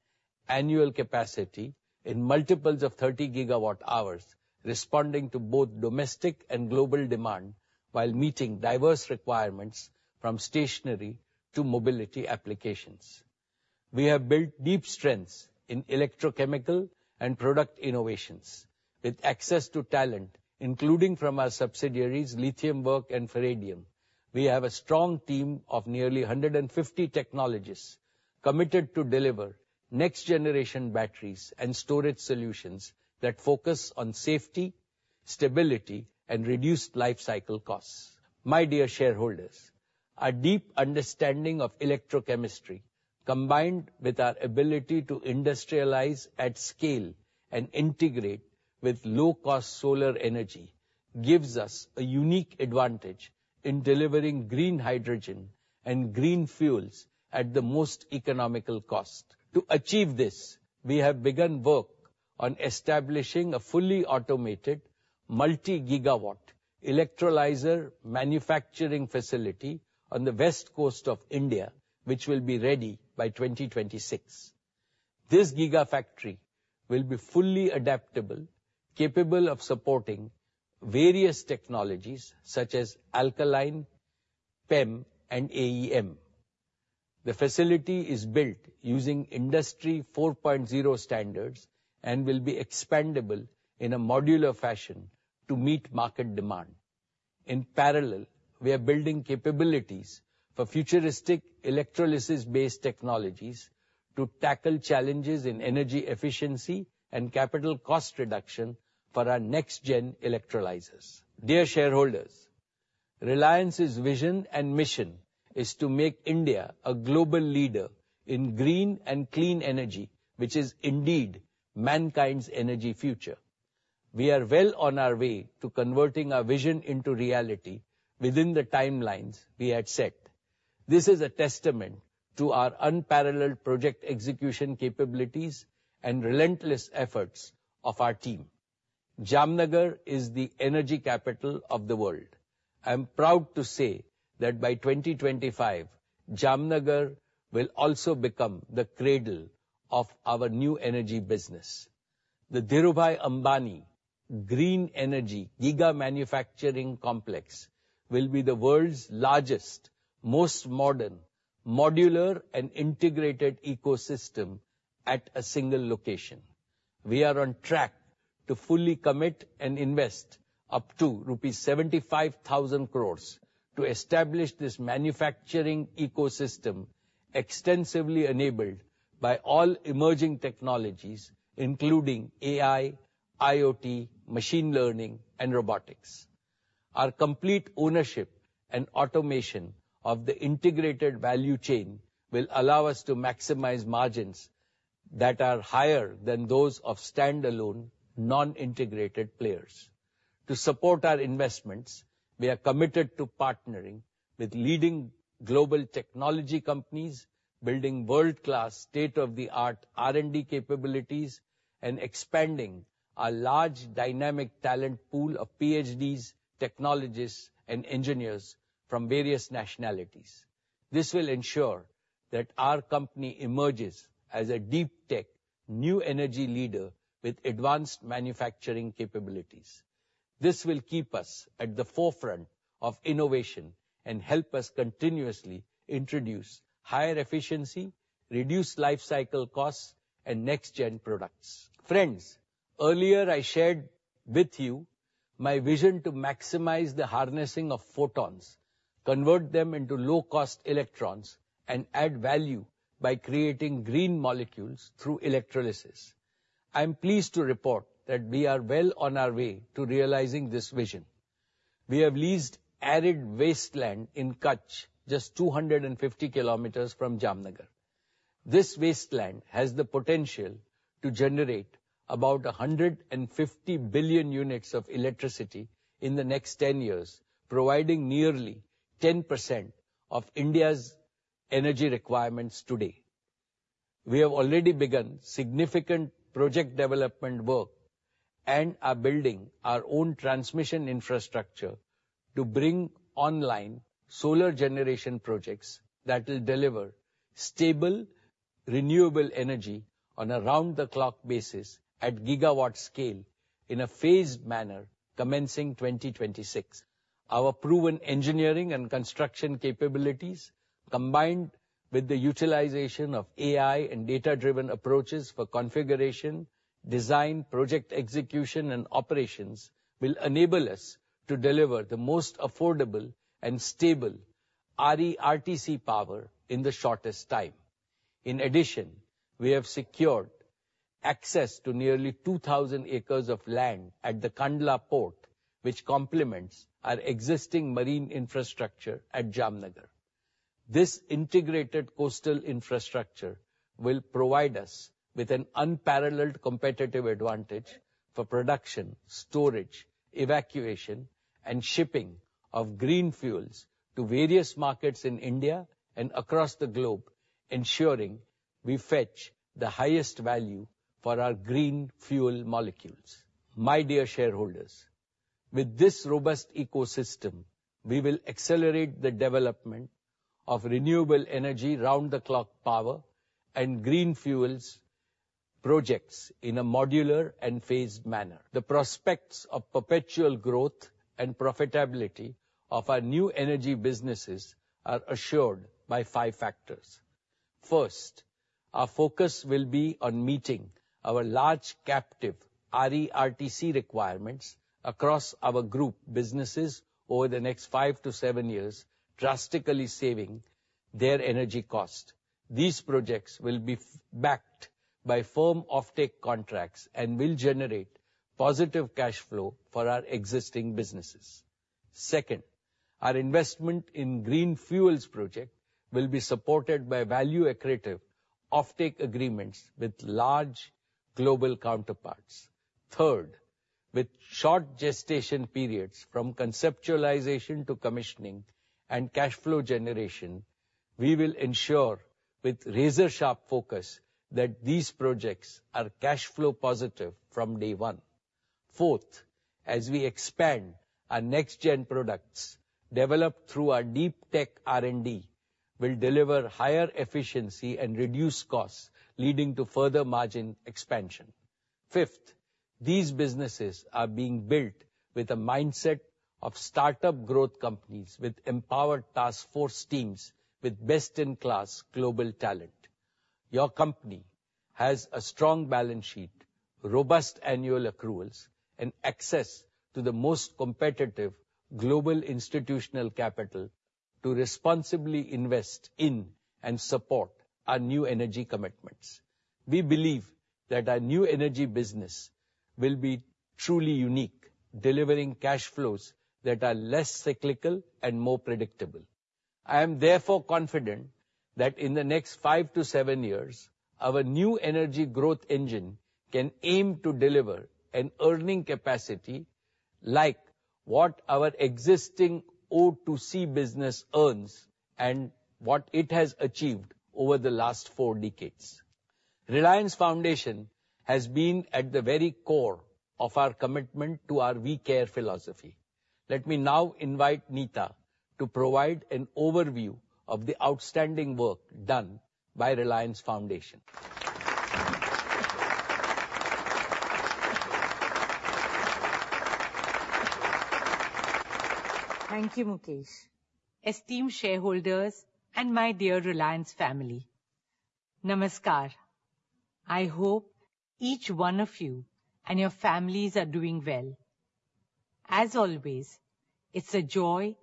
annual capacity in multiples of 30 gigawatt-hours, responding to both domestic and global demand, while meeting diverse requirements from stationary to mobility applications. We have built deep strengths in electrochemical and product innovations. With access to talent, including from our subsidiaries, Lithium Werks and Faradium, we have a strong team of nearly 150 technologists committed to deliver next-generation batteries and storage solutions that focus on safety, stability, and reduced life cycle costs. My dear shareholders, our deep understanding of electrochemistry, combined with our ability to industrialize at scale and integrate with low-cost solar energy, gives us a unique advantage in delivering green hydrogen and green fuels at the most economical cost. To achieve this, we have begun work on establishing a fully automated, multi-gigawatt electrolyzer manufacturing facility on the west coast of India, which will be ready by 2026. This gigafactory will be fully adaptable, capable of supporting various technologies such as alkaline, PEM, and AEM. The facility is built using Industry 4.0 standards and will be expandable in a modular fashion to meet market demand. In parallel, we are building capabilities for futuristic electrolysis-based technologies to tackle challenges in energy efficiency and capital cost reduction for our next-gen electrolyzers. Dear shareholders, Reliance's vision and mission is to make India a global leader in green and clean energy, which is indeed mankind's energy future. We are well on our way to converting our vision into reality within the timelines we had set. This is a testament to our unparalleled project execution capabilities and relentless efforts of our team. Jamnagar is the energy capital of the world. I am proud to say that by 2025, Jamnagar will also become the cradle of our new energy business.... The Dhirubhai Ambani Green Energy Giga Manufacturing Complex will be the world's largest, most modern, modular, and integrated ecosystem at a single location. We are on track to fully commit and invest up to rupees 75,000 crores to establish this manufacturing ecosystem, extensively enabled by all emerging technologies, including AI, IoT, machine learning, and robotics. Our complete ownership and automation of the integrated value chain will allow us to maximize margins that are higher than those of standalone, non-integrated players. To support our investments, we are committed to partnering with leading global technology companies, building world-class, state-of-the-art R&D capabilities, and expanding our large dynamic talent pool of PhDs, technologists, and engineers from various nationalities. This will ensure that our company emerges as a deep tech, new energy leader with advanced manufacturing capabilities. This will keep us at the forefront of innovation and help us continuously introduce higher efficiency, reduced lifecycle costs, and next-gen products. Friends, earlier I shared with you my vision to maximize the harnessing of photons, convert them into low-cost electrons, and add value by creating green molecules through electrolysis. I'm pleased to report that we are well on our way to realizing this vision. We have leased arid wasteland in Kachchh, just 250 kilometers from Jamnagar. This wasteland has the potential to generate about 150 billion units of electricity in the next ten years, providing nearly 10% of India's energy requirements today. We have already begun significant project development work and are building our own transmission infrastructure to bring online solar generation projects that will deliver stable, renewable energy on a round-the-clock basis at gigawatt scale in a phased manner, commencing 2026. Our proven engineering and construction capabilities, combined with the utilization of AI and data-driven approaches for configuration, design, project execution, and operations, will enable us to deliver the most affordable and stable RE-RTC power in the shortest time. In addition, we have secured access to nearly two thousand acres of land at the Kandla Port, which complements our existing marine infrastructure at Jamnagar. This integrated coastal infrastructure will provide us with an unparalleled competitive advantage for production, storage, evacuation, and shipping of green fuels to various markets in India and across the globe, ensuring we fetch the highest value for our green fuel molecules. My dear shareholders, with this robust ecosystem, we will accelerate the development of renewable energy round-the-clock power and green fuels projects in a modular and phased manner. The prospects of perpetual growth and profitability of our new energy businesses are assured by five factors. First, our focus will be on meeting our large captive RE-RTC requirements across our group businesses over the next five to seven years, drastically saving their energy cost. These projects will be backed by firm off-take contracts and will generate positive cash flow for our existing businesses. Second, our investment in green fuels project will be supported by value accretive off-take agreements with large global counterparts. Third, with short gestation periods, from conceptualization to commissioning and cash flow generation, we will ensure with razor-sharp focus that these projects are cash flow positive from day one. Fourth, as we expand our next-gen products, developed through our deep tech R&D, we'll deliver higher efficiency and reduced costs, leading to further margin expansion. Fifth, these businesses are being built with a mindset of startup growth companies, with empowered task force teams, with best-in-class global talent. Your company has a strong balance sheet, robust annual accruals, and access to the most competitive global institutional capital to responsibly invest in and support our new energy commitments. We believe that our new energy business will be truly unique, delivering cash flows that are less cyclical and more predictable. I am therefore confident that in the next five to seven years, our new energy growth engine can aim to deliver an earning capacity like what our existing O2C business earns and what it has achieved over the last four decades. Reliance Foundation has been at the very core of our commitment to our We Care philosophy. Let me now invite Nita to provide an overview of the outstanding work done by Reliance Foundation. Thank you, Mukesh. Esteemed shareholders and my dear Reliance family, Namaskar. I hope each one of you and your families are doing well. As always, it's a joy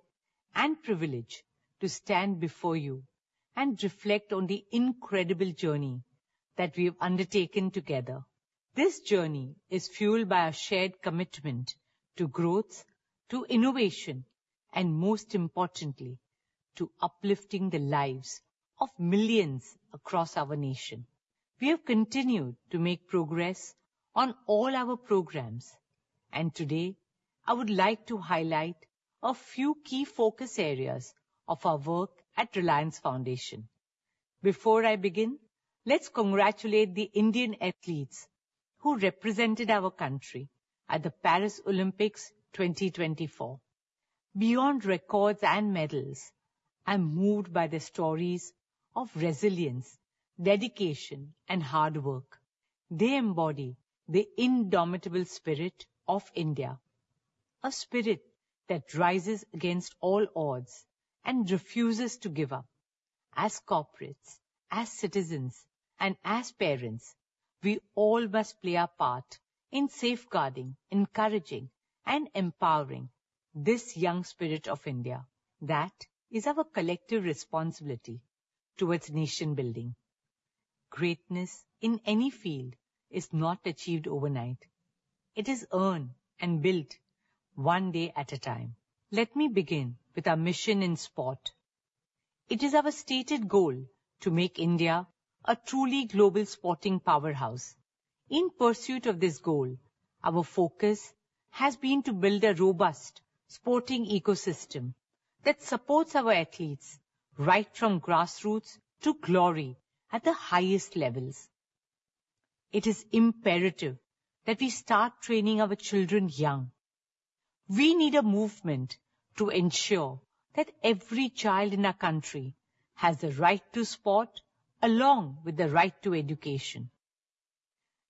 and privilege to stand before you and reflect on the incredible journey that we have undertaken together. This journey is fueled by a shared commitment to growth, to innovation, and most importantly, to uplifting the lives of millions across our nation. We have continued to make progress on all our programs, and today, I would like to highlight a few key focus areas of our work at Reliance Foundation. Before I begin, let's congratulate the Indian athletes who represented our country at the Paris Olympics 2024. Beyond records and medals, I'm moved by the stories of resilience, dedication, and hard work. They embody the indomitable spirit of India, a spirit that rises against all odds and refuses to give up. As corporates, as citizens, and as parents, we all must play our part in safeguarding, encouraging, and empowering this young spirit of India. That is our collective responsibility towards nation building. Greatness in any field is not achieved overnight. It is earned and built one day at a time. Let me begin with our mission in sport. It is our stated goal to make India a truly global sporting powerhouse. In pursuit of this goal, our focus has been to build a robust sporting ecosystem that supports our athletes right from grassroots to glory at the highest levels. It is imperative that we start training our children young. We need a movement to ensure that every child in our country has the right to sport, along with the right to education.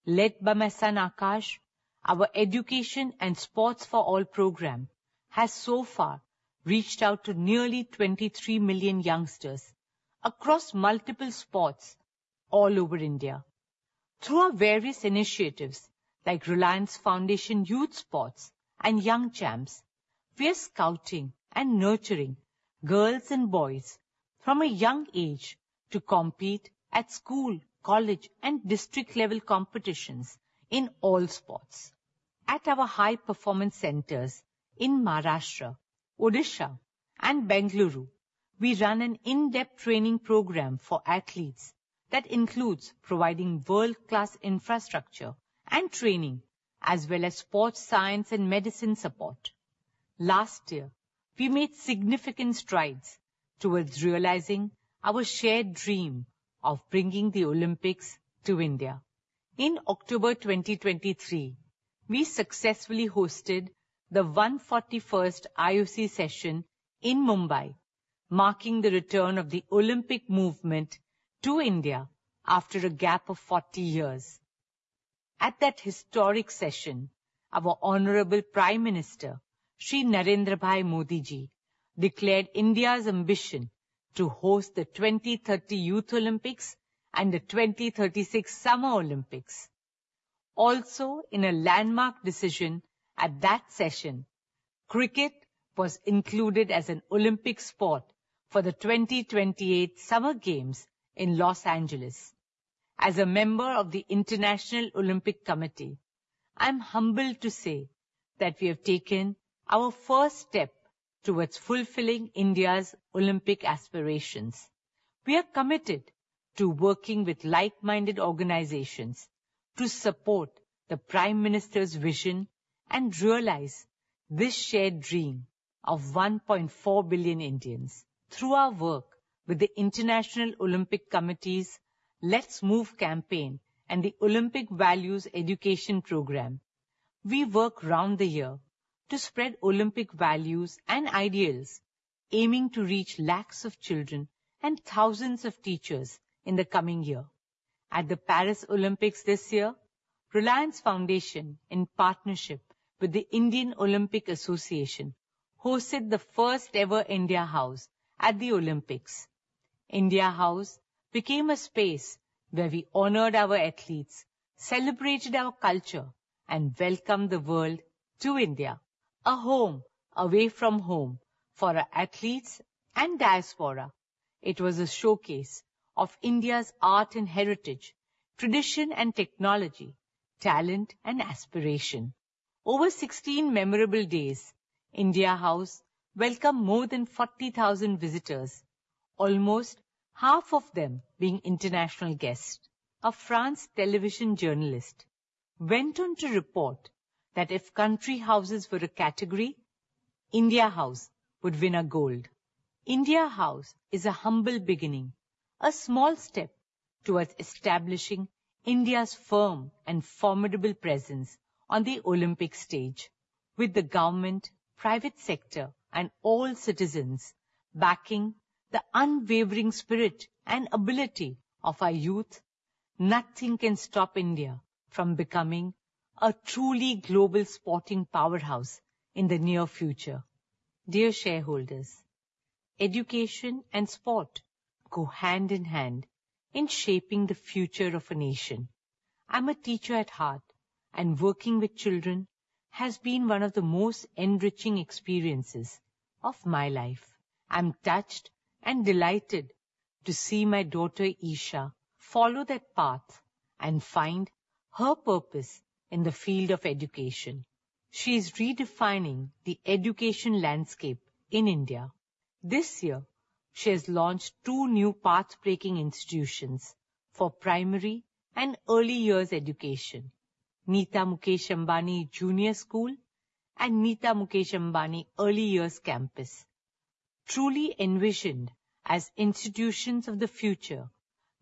Led by my son, Akash, our Education and Sports For All program has so far reached out to nearly 23 million youngsters across multiple sports all over India. Through our various initiatives, like Reliance Foundation Youth Sports and Young Champs, we are scouting and nurturing girls and boys from a young age to compete at school, college, and district-level competitions in all sports. At our high performance centers in Maharashtra, Odisha, and Bengaluru, we run an in-depth training program for athletes that includes providing world-class infrastructure and training, as well as sports science and medicine support. Last year, we made significant strides towards realizing our shared dream of bringing the Olympics to India. In October 2024, we successfully hosted the one forty-first IOC session in Mumbai, marking the return of the Olympic movement to India after a gap of forty years. At that historic session, our Honorable Prime Minister, Shri Narendra Bhai Modi Ji, declared India's ambition to host the 2030 Youth Olympics and the 2036 Summer Olympics. Also, in a landmark decision at that session, cricket was included as an Olympic sport for the 2028 Summer Games in Los Angeles. As a member of the International Olympic Committee, I'm humbled to say that we have taken our first step towards fulfilling India's Olympic aspirations. We are committed to working with like-minded organizations to support the Prime Minister's vision and realize this shared dream of 1.4 billion Indians. Through our work with the International Olympic Committee's Let's Move campaign and the Olympic Values Education program, we work round the year to spread Olympic values and ideals, aiming to reach lakhs of children and thousands of teachers in the coming year. At the Paris Olympics this year, Reliance Foundation, in partnership with the Indian Olympic Association, hosted the first ever India House at the Olympics. India House became a space where we honored our athletes, celebrated our culture, and welcomed the world to India, a home away from home for our athletes and diaspora. It was a showcase of India's art and heritage, tradition and technology, talent and aspiration. Over 16 memorable days, India House welcomed more than 40,000 visitors, almost half of them being international guests. A French television journalist went on to report that if country houses were a category, India House would win a gold... India House is a humble beginning, a small step towards establishing India's firm and formidable presence on the Olympic stage. With the government, private sector, and all citizens backing the unwavering spirit and ability of our youth, nothing can stop India from becoming a truly global sporting powerhouse in the near future. Dear shareholders, education and sport go hand in hand in shaping the future of a nation. I'm a teacher at heart, and working with children has been one of the most enriching experiences of my life. I'm touched and delighted to see my daughter, Isha, follow that path and find her purpose in the field of education. She is redefining the education landscape in India. This year, she has launched two new pathbreaking institutions for primary and early years education, Nita Mukesh Ambani Junior School and Nita Mukesh Ambani Early Years Campus. Truly envisioned as institutions of the future,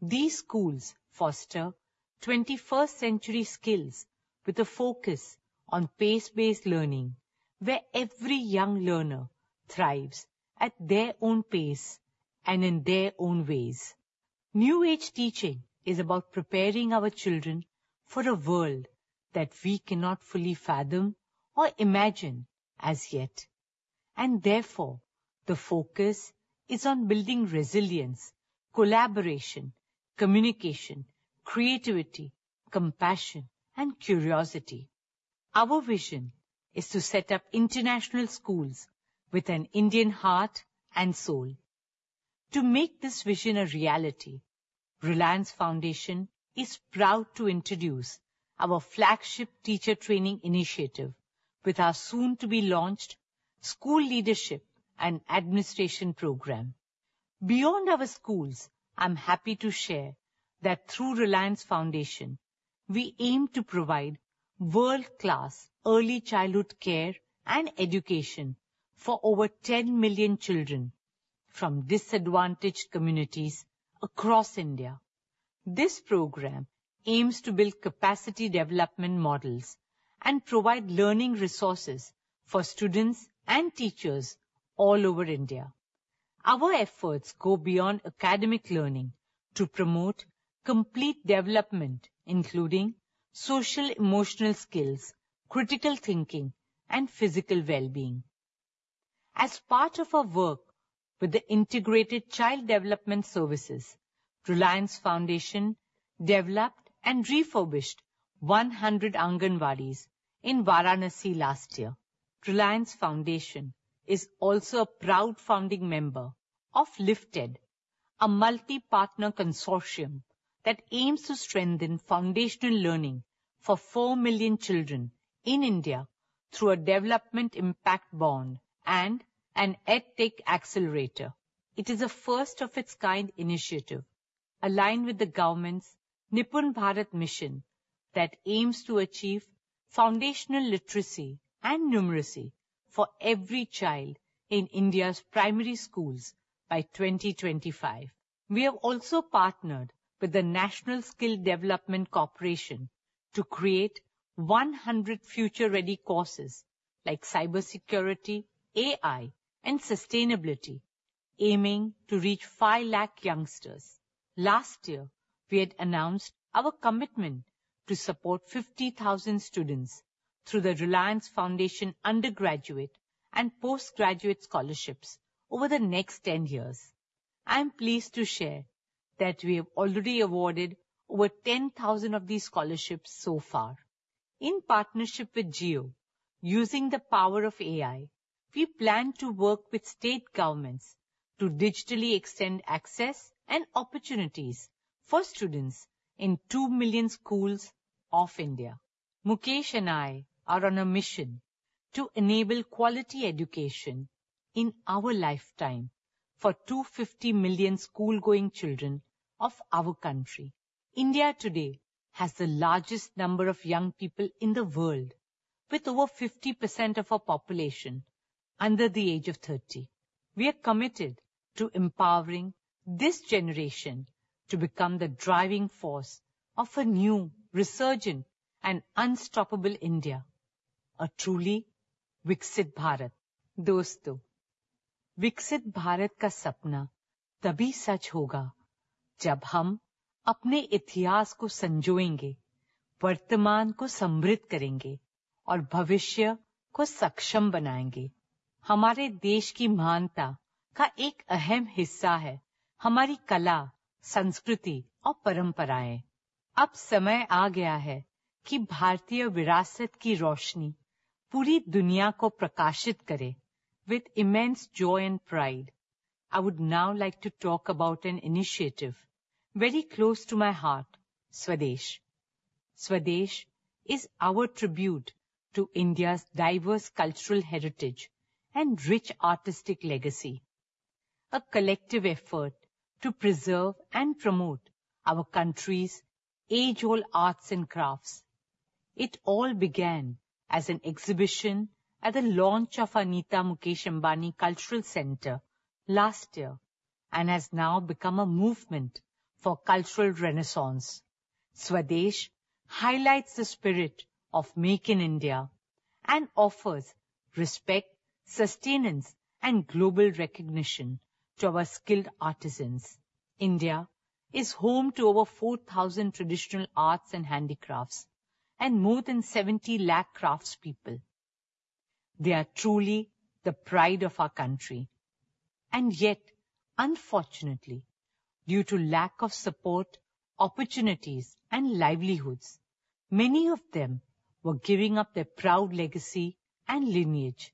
these schools foster 21st century skills with a focus on pace-based learning, where every young learner thrives at their own pace and in their own ways. New age teaching is about preparing our children for a world that we cannot fully fathom or imagine as yet, and therefore, the focus is on building resilience, collaboration, communication, creativity, compassion, and curiosity. Our vision is to set up international schools with an Indian heart and soul. To make this vision a reality, Reliance Foundation is proud to introduce our flagship teacher training initiative with our soon-to-be-launched School Leadership and Administration program. Beyond our schools, I'm happy to share that through Reliance Foundation, we aim to provide world-class early childhood care and education for over ten million children from disadvantaged communities across India. This program aims to build capacity development models and provide learning resources for students and teachers all over India. Our efforts go beyond academic learning to promote complete development, including social emotional skills, critical thinking, and physical well-being. As part of our work with the Integrated Child Development Services, Reliance Foundation developed and refurbished 100 Anganwadis in Varanasi last year. Reliance Foundation is also a proud founding member of LIFTEd, a multi-partner consortium that aims to strengthen foundational learning for 4 million children in India through a development impact bond and an EdTech accelerator. It is a first of its kind initiative aligned with the government's Nipun Bharat Mission that aims to achieve foundational literacy and numeracy for every child in India's primary schools by 2025. We have also partnered with the National Skill Development Corporation to create 100 future-ready courses like cybersecurity, AI, and sustainability, aiming to reach five lakh youngsters. Last year, we had announced our commitment to support fifty thousand students through the Reliance Foundation undergraduate and postgraduate scholarships over the next ten years. I'm pleased to share that we have already awarded over ten thousand of these scholarships so far. In partnership with Jio, using the power of AI, we plan to work with state governments to digitally extend access and opportunities for students in two million schools of India. Mukesh and I are on a mission to enable quality education in our lifetime for two fifty million school-going children of our country. India today has the largest number of young people in the world, with over 50% of our population under the age of thirty. We are committed to empowering this generation to become the driving force of a new, resurgent, and unstoppable India, a truly Viksit Bharat. [foregin language]. With immense joy and pride, I would now like to talk about an initiative very close to my heart, Swadesh. Swadesh is our tribute to India's diverse cultural heritage and rich artistic legacy, a collective effort to preserve and promote our country's age-old arts and crafts.... It all began as an exhibition at the launch of Nita Mukesh Ambani Cultural Centre last year, and has now become a movement for cultural renaissance. Swadesh highlights the spirit of Make in India and offers respect, sustenance, and global recognition to our skilled artisans. India is home to over four thousand traditional arts and handicrafts, and more than seventy lakh craftspeople. They are truly the pride of our country. Yet, unfortunately, due to lack of support, opportunities, and livelihoods, many of them were giving up their proud legacy and lineage.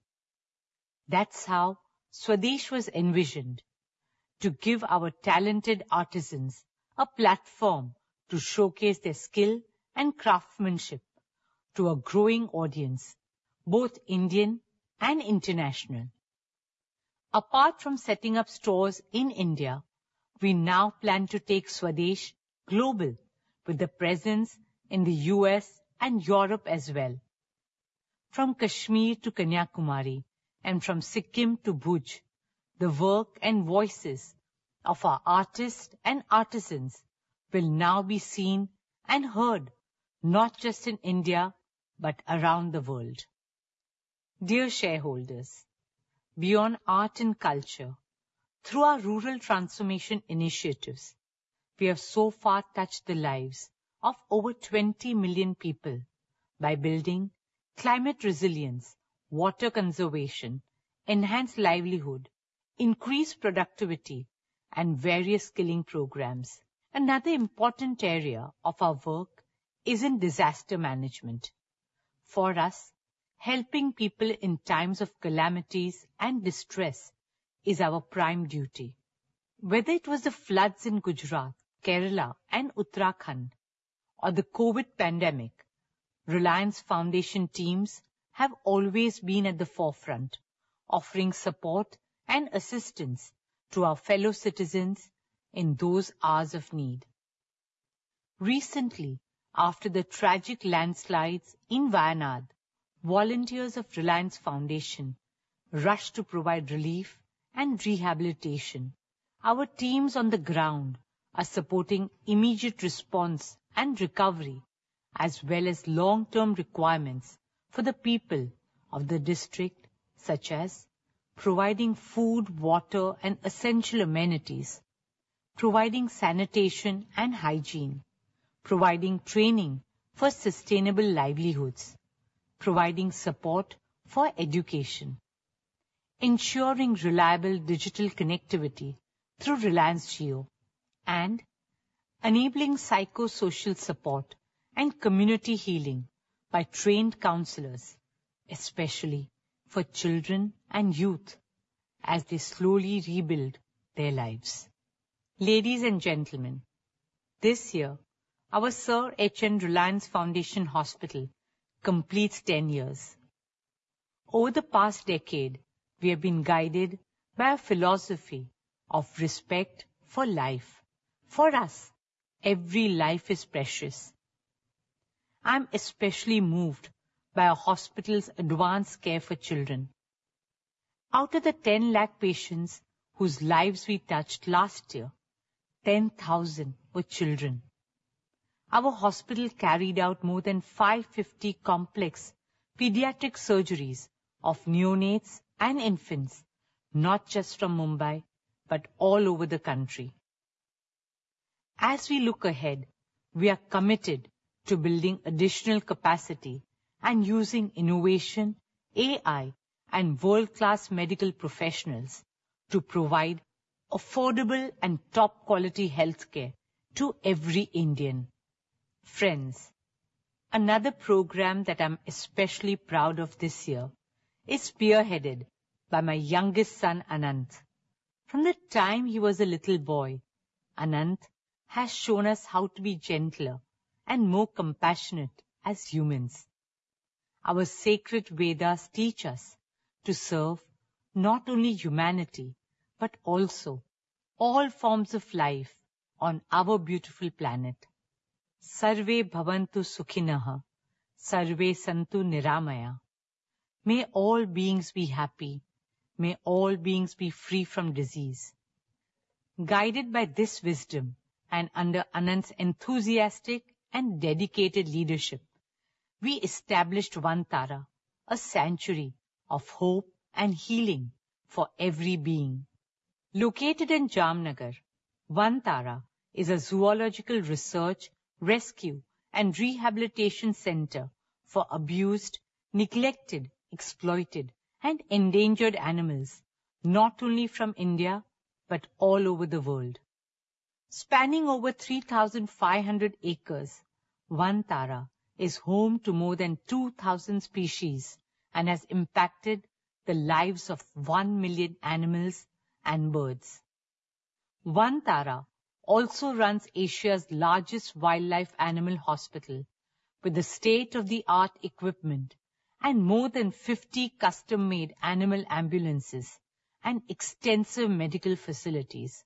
That's how Swadesh was envisioned: to give our talented artisans a platform to showcase their skill and craftsmanship to a growing audience, both Indian and international. Apart from setting up stores in India, we now plan to take Swadesh global with a presence in the U.S. and Europe as well. From Kashmir to Kanyakumari, and from Sikkim to Bhuj, the work and voices of our artists and artisans will now be seen and heard, not just in India, but around the world. Dear shareholders, beyond art and culture, through our rural transformation initiatives, we have so far touched the lives of over 20 million people by building climate resilience, water conservation, enhanced livelihood, increased productivity, and various skilling programs. Another important area of our work is in disaster management. For us, helping people in times of calamities and distress is our prime duty. Whether it was the floods in Gujarat, Kerala, and Uttarakhand, or the COVID pandemic, Reliance Foundation teams have always been at the forefront, offering support and assistance to our fellow citizens in those hours of need. Recently, after the tragic landslides in Wayanad, volunteers of Reliance Foundation rushed to provide relief and rehabilitation. Our teams on the ground are supporting immediate response and recovery, as well as long-term requirements for the people of the district, such as providing food, water, and essential amenities, providing sanitation and hygiene, providing training for sustainable livelihoods, providing support for education, ensuring reliable digital connectivity through Reliance Jio, and enabling psychosocial support and community healing by trained counselors, especially for children and youth as they slowly rebuild their lives. Ladies and gentlemen, this year, our Sir H. N. Reliance Foundation Hospital completes ten years. Over the past decade, we have been guided by a philosophy of respect for life. For us, every life is precious. I'm especially moved by our hospital's advanced care for children. Out of the ten lakh patients whose lives we touched last year, ten thousand were children. Our hospital carried out more than 550 complex pediatric surgeries of neonates and infants, not just from Mumbai, but all over the country. As we look ahead, we are committed to building additional capacity and using innovation, AI, and world-class medical professionals to provide affordable and top-quality healthcare to every Indian. Friends, another program that I'm especially proud of this year is spearheaded by my youngest son, Anant. From the time he was a little boy, Anant has shown us how to be gentler and more compassionate as humans. Our sacred Vedas teach us to serve not only humanity, but also all forms of life on our beautiful planet. May all beings be happy. May all beings be free from disease. Guided by this wisdom, and under Anant's enthusiastic and dedicated leadership, we established Vantara, a sanctuary of hope and healing for every being. Located in Jamnagar, Vantara is a zoological research, resQ, and rehabilitation center for abused, neglected, exploited, and endangered animals, not only from India, but all over the world. Spanning over 3,500 acres, Vantara is home to more than 2,000 species and has impacted the lives of 1 million animals and birds. Vantara also runs Asia's largest wildlife animal hospital with state-of-the-art equipment and more than 50 custom-made animal ambulances and extensive medical facilities.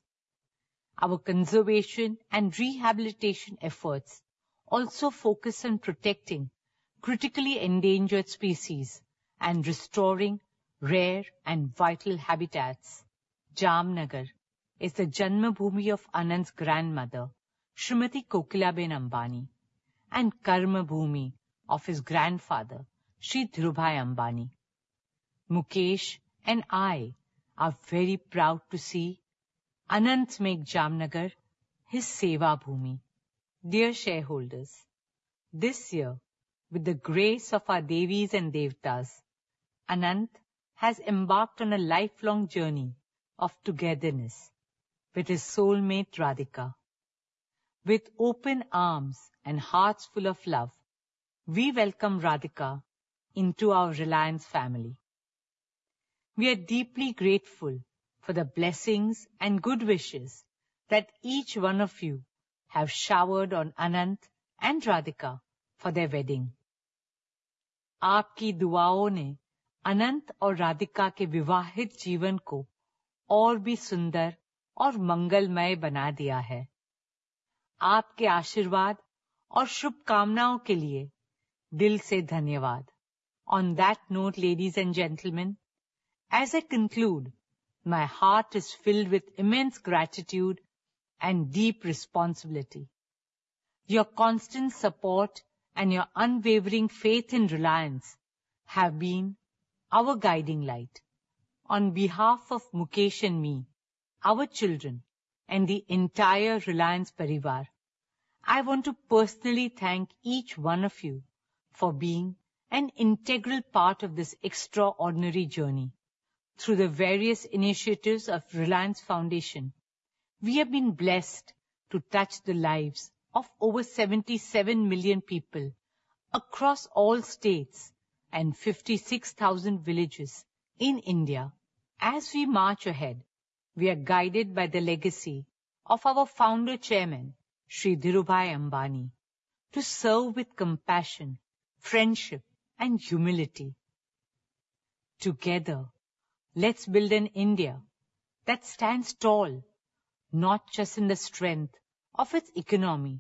Our conservation and rehabilitation efforts also focus on protecting critically endangered species and restoring rare and vital habitats. Jamnagar is the Janmabhoomi of Anant's grandmother, Shrimati Kokilaben Ambani, and Karmabhoomi of his grandfather, Shri Dhirubhai Ambani. Mukesh and I are very proud to see Anant make Jamnagar his Seva Bhoomi. Dear shareholders, this year, with the grace of our Devis and Devtas, Anant has embarked on a lifelong journey of togetherness with his soulmate, Radhika. With open arms and hearts full of love, we welcome Radhika into our Reliance family. We are deeply grateful for the blessings and good wishes that each one of you have showered on Anant and Radhika for their wedding. Aapki duaon ne Anant aur Radhika ke vivahit jeevan ko aur bhi sundar aur mangalmay bana diya hai. Aapke aashirwad aur shubhkamnayon ke liye dil se dhanyavad. On that note, ladies and gentlemen, as I conclude, my heart is filled with immense gratitude and deep responsibility. Your constant support and your unwavering faith in Reliance have been our guiding light. On behalf of Mukesh and me, our children, and the entire Reliance parivar, I want to personally thank each one of you for being an integral part of this extraordinary journey. Through the various initiatives of Reliance Foundation, we have been blessed to touch the lives of over seventy-seven million people across all states and fifty-six thousand villages in India. As we march ahead, we are guided by the legacy of our founder, Chairman Shri Dhirubhai Ambani, to serve with compassion, friendship, and humility. Together, let's build an India that stands tall, not just in the strength of its economy,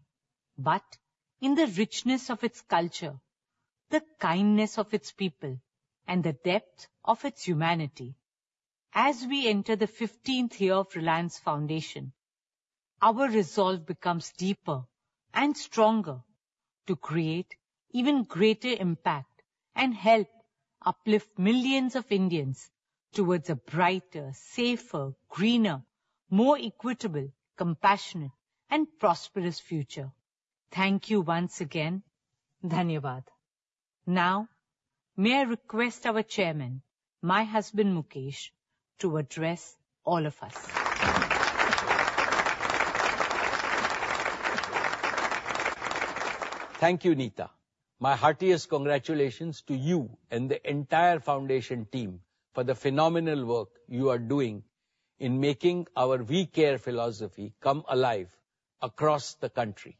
but in the richness of its culture, the kindness of its people, and the depth of its humanity. As we enter the fifteenth year of Reliance Foundation, our resolve becomes deeper and stronger to create even greater impact and help uplift millions of Indians towards a brighter, safer, greener, more equitable, compassionate, and prosperous future. Thank you once again. Dhanyavad. Now, may I request our chairman, my husband, Mukesh, to address all of us? Thank you, Nita. My heartiest congratulations to you and the entire foundation team for the phenomenal work you are doing in making our We Care philosophy come alive across the country.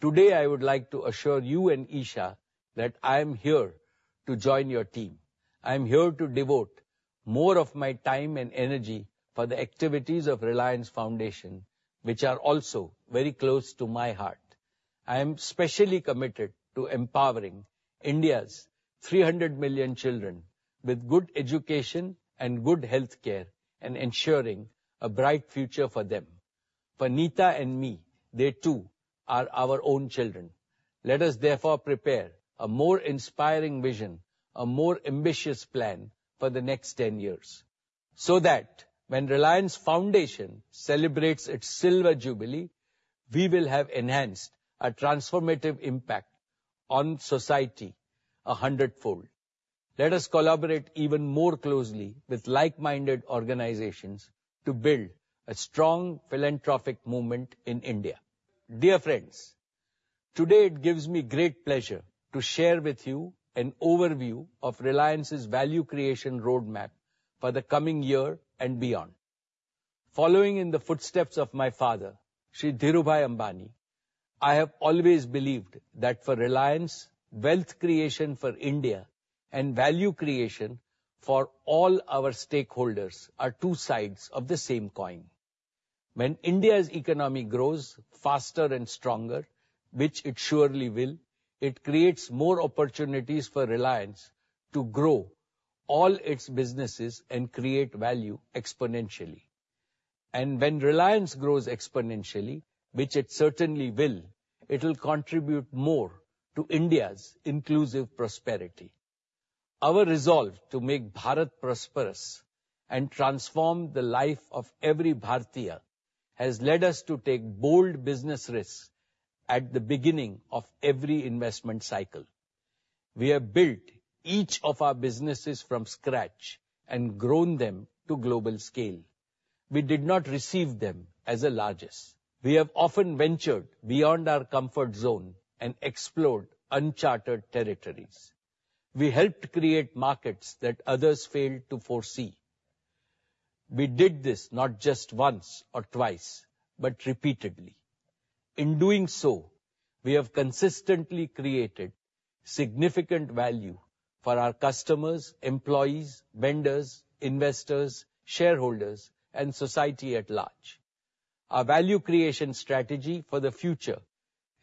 Today, I would like to assure you and Isha that I am here to join your team. I am here to devote more of my time and energy for the activities of Reliance Foundation, which are also very close to my heart. I am specially committed to empowering India's 300 million children with good education and good healthcare and ensuring a bright future for them. For Nita and me, they too are our own children. Let us therefore prepare a more inspiring vision, a more ambitious plan for the next ten years, so that when Reliance Foundation celebrates its silver jubilee, we will have enhanced a transformative impact on society a hundredfold. Let us collaborate even more closely with like-minded organizations to build a strong philanthropic movement in India. Dear friends, today it gives me great pleasure to share with you an overview of Reliance's value creation roadmap for the coming year and beyond. Following in the footsteps of my father, Shri Dhirubhai Ambani, I have always believed that for Reliance, wealth creation for India and value creation for all our stakeholders are two sides of the same coin. When India's economy grows faster and stronger, which it surely will, it creates more opportunities for Reliance to grow all its businesses and create value exponentially. And when Reliance grows exponentially, which it certainly will, it will contribute more to India's inclusive prosperity. Our resolve to make Bharat prosperous and transform the life of every Bharatiya has led us to take bold business risks at the beginning of every investment cycle. We have built each of our businesses from scratch and grown them to global scale. We did not receive them as the largest. We have often ventured beyond our comfort zone and explored uncharted territories. We helped create markets that others failed to foresee. We did this not just once or twice, but repeatedly. In doing so, we have consistently created significant value for our customers, employees, vendors, investors, shareholders, and society at large. Our value creation strategy for the future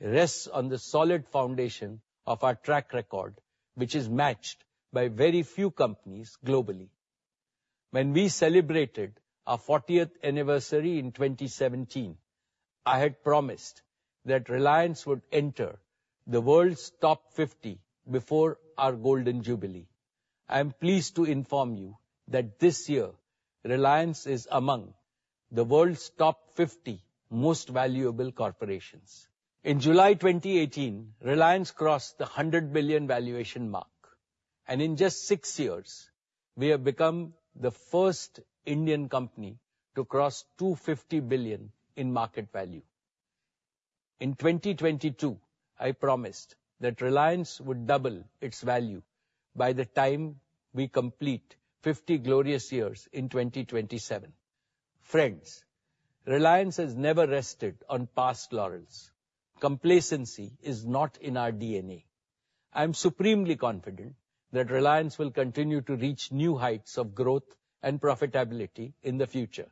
rests on the solid foundation of our track record, which is matched by very few companies globally. When we celebrated our fortieth anniversary in 2017, I had promised that Reliance would enter the world's top 50 before our golden jubilee. I am pleased to inform you that this year, Reliance is among the world's top 50 most valuable corporations. In July 2018, Reliance crossed the $100 billion valuation mark, and in just six years, we have become the first Indian company to cross $250 billion in market value. In 2022, I promised that Reliance would double its value by the time we complete 50 glorious years in 2027. Friends, Reliance has never rested on past laurels. Complacency is not in our DNA. I'm supremely confident that Reliance will continue to reach new heights of growth and profitability in the future.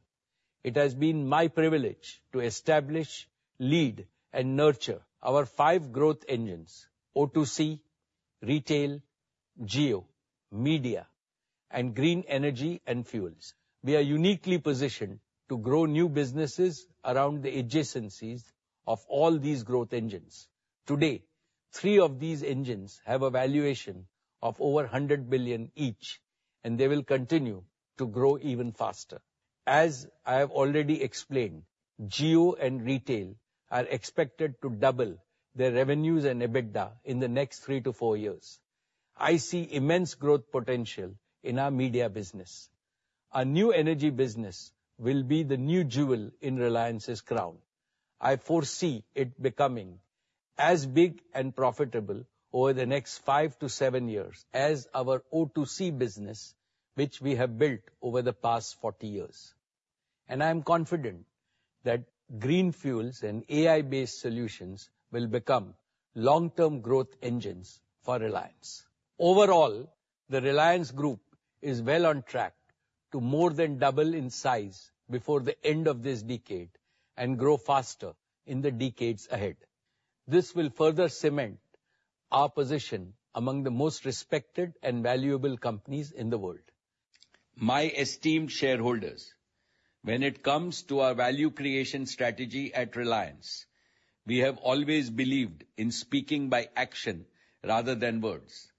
It has been my privilege to establish, lead, and nurture our five growth engines: O2C, retail, Jio, media, and green energy and fuels. We are uniquely positioned to grow new businesses around the adjacencies of all these growth engines. Today, three of these engines have a valuation of over $100 billion each, and they will continue to grow even faster. As I have already explained, Jio and retail are expected to double their revenues and EBITDA in the next three to four years. I see immense growth potential in our media business. Our new energy business will be the new jewel in Reliance's crown. I foresee it becoming as big and profitable over the next five to seven years as our O2C business, which we have built over the past forty years, and I am confident that green fuels and AI-based solutions will become long-term growth engines for Reliance. Overall, the Reliance Group is well on track to more than double in size before the end of this decade and grow faster in the decades ahead. This will further cement our position among the most respected and valuable companies in the world. My esteemed shareholders, when it comes to our value creation strategy at Reliance, we have always believed in speaking by action rather than words.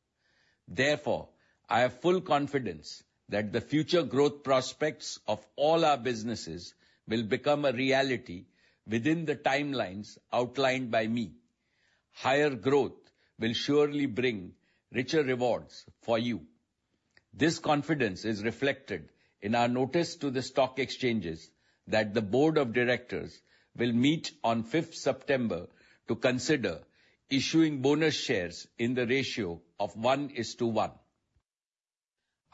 Therefore, I have full confidence that the future growth prospects of all our businesses will become a reality within the timelines outlined by me. Higher growth will surely bring richer rewards for you. This confidence is reflected in our notice to the stock exchanges that the board of directors will meet on 5th September to consider issuing bonus shares in the ratio of one is to one.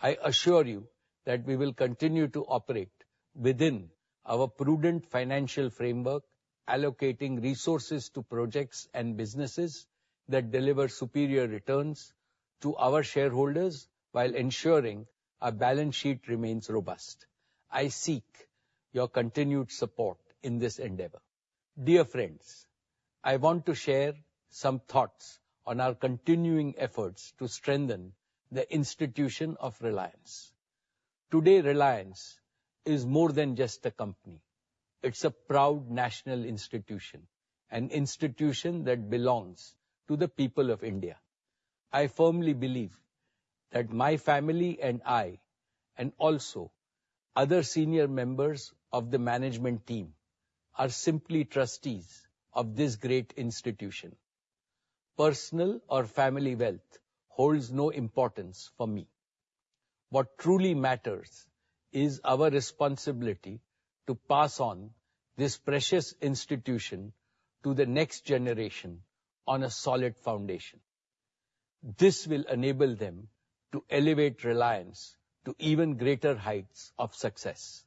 I assure you that we will continue to operate within our prudent financial framework, allocating resources to projects and businesses that deliver superior returns to our shareholders while ensuring our balance sheet remains robust. I seek your continued support in this endeavor. Dear friends, I want to share some thoughts on our continuing efforts to strengthen the institution of Reliance. Today, Reliance is more than just a company. It's a proud national institution, an institution that belongs to the people of India. I firmly believe that my family and I, and also other senior members of the management team, are simply trustees of this great institution. Personal or family wealth holds no importance for me. What truly matters is our responsibility to pass on this precious institution to the next generation on a solid foundation. This will enable them to elevate Reliance to even greater heights of success.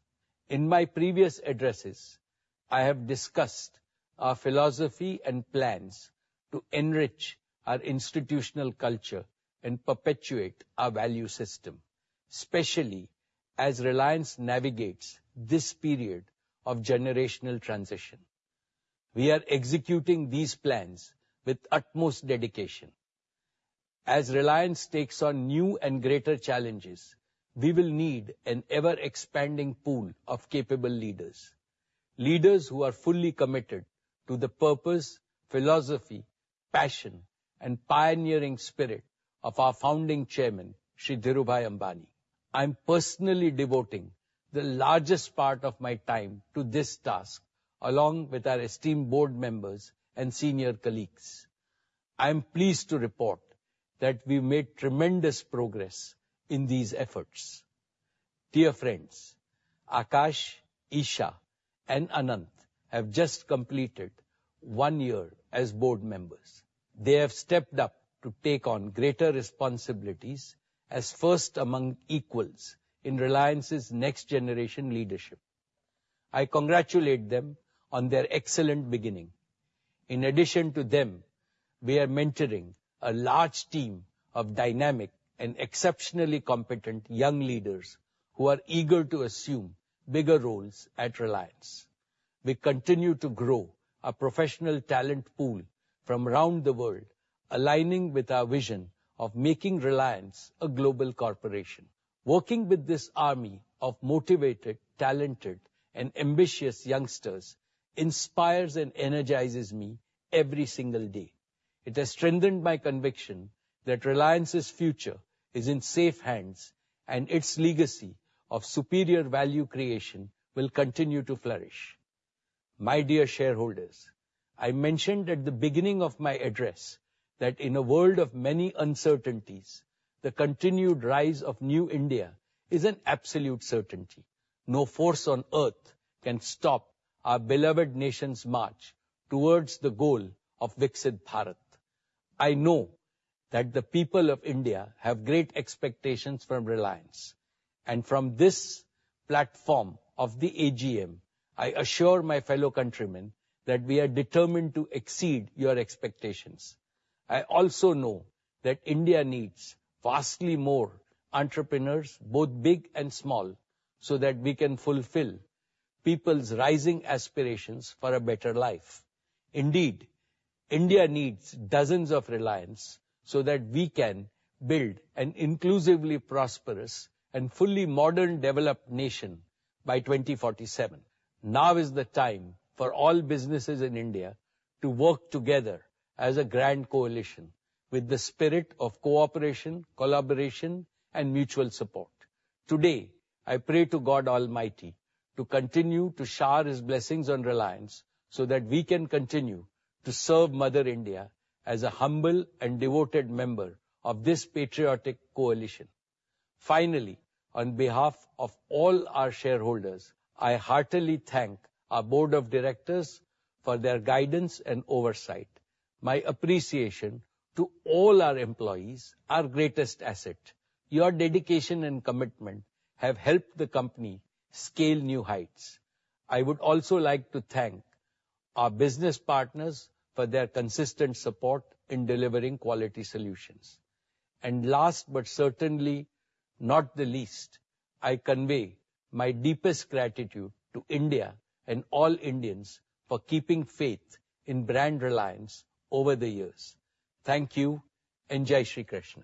In my previous addresses, I have discussed our philosophy and plans to enrich our institutional culture and perpetuate our value system, especially as Reliance navigates this period of generational transition. We are executing these plans with utmost dedication. As Reliance takes on new and greater challenges, we will need an ever-expanding pool of capable leaders, leaders who are fully committed to the purpose, philosophy, passion, and pioneering spirit of our founding chairman, Shri Dhirubhai Ambani. I'm personally devoting the largest part of my time to this task, along with our esteemed board members and senior colleagues. I am pleased to report that we've made tremendous progress in these efforts. Dear friends, Akash, Isha, and Anant have just completed one year as board members. They have stepped up to take on greater responsibilities as first among equals in Reliance's next generation leadership. I congratulate them on their excellent beginning. In addition to them, we are mentoring a large team of dynamic and exceptionally competent young leaders who are eager to assume bigger roles at Reliance. We continue to grow a professional talent pool from around the world, aligning with our vision of making Reliance a global corporation. Working with this army of motivated, talented and ambitious youngsters inspires and energizes me every single day. It has strengthened my conviction that Reliance's future is in safe hands, and its legacy of superior value creation will continue to flourish. My dear shareholders, I mentioned at the beginning of my address that in a world of many uncertainties, the continued rise of new India is an absolute certainty. No force on Earth can stop our beloved nation's march towards the goal of Viksit Bharat. I know that the people of India have great expectations from Reliance, and from this platform of the AGM, I assure my fellow countrymen that we are determined to exceed your expectations. I also know that India needs vastly more entrepreneurs, both big and small, so that we can fulfill people's rising aspirations for a better life. Indeed, India needs dozens of Reliance so that we can build an inclusively prosperous and fully modern, developed nation by 2047. Now is the time for all businesses in India to work together as a grand coalition with the spirit of cooperation, collaboration, and mutual support. Today, I pray to God Almighty to continue to shower His blessings on Reliance, so that we can continue to serve Mother India as a humble and devoted member of this patriotic coalition. Finally, on behalf of all our shareholders, I heartily thank our board of directors for their guidance and oversight. My appreciation to all our employees, our greatest asset. Your dedication and commitment have helped the company scale new heights. I would also like to thank our business partners for their consistent support in delivering quality solutions. And last, but certainly not the least, I convey my deepest gratitude to India and all Indians for keeping faith in brand Reliance over the years. Thank you, and Jai Shri Krishna!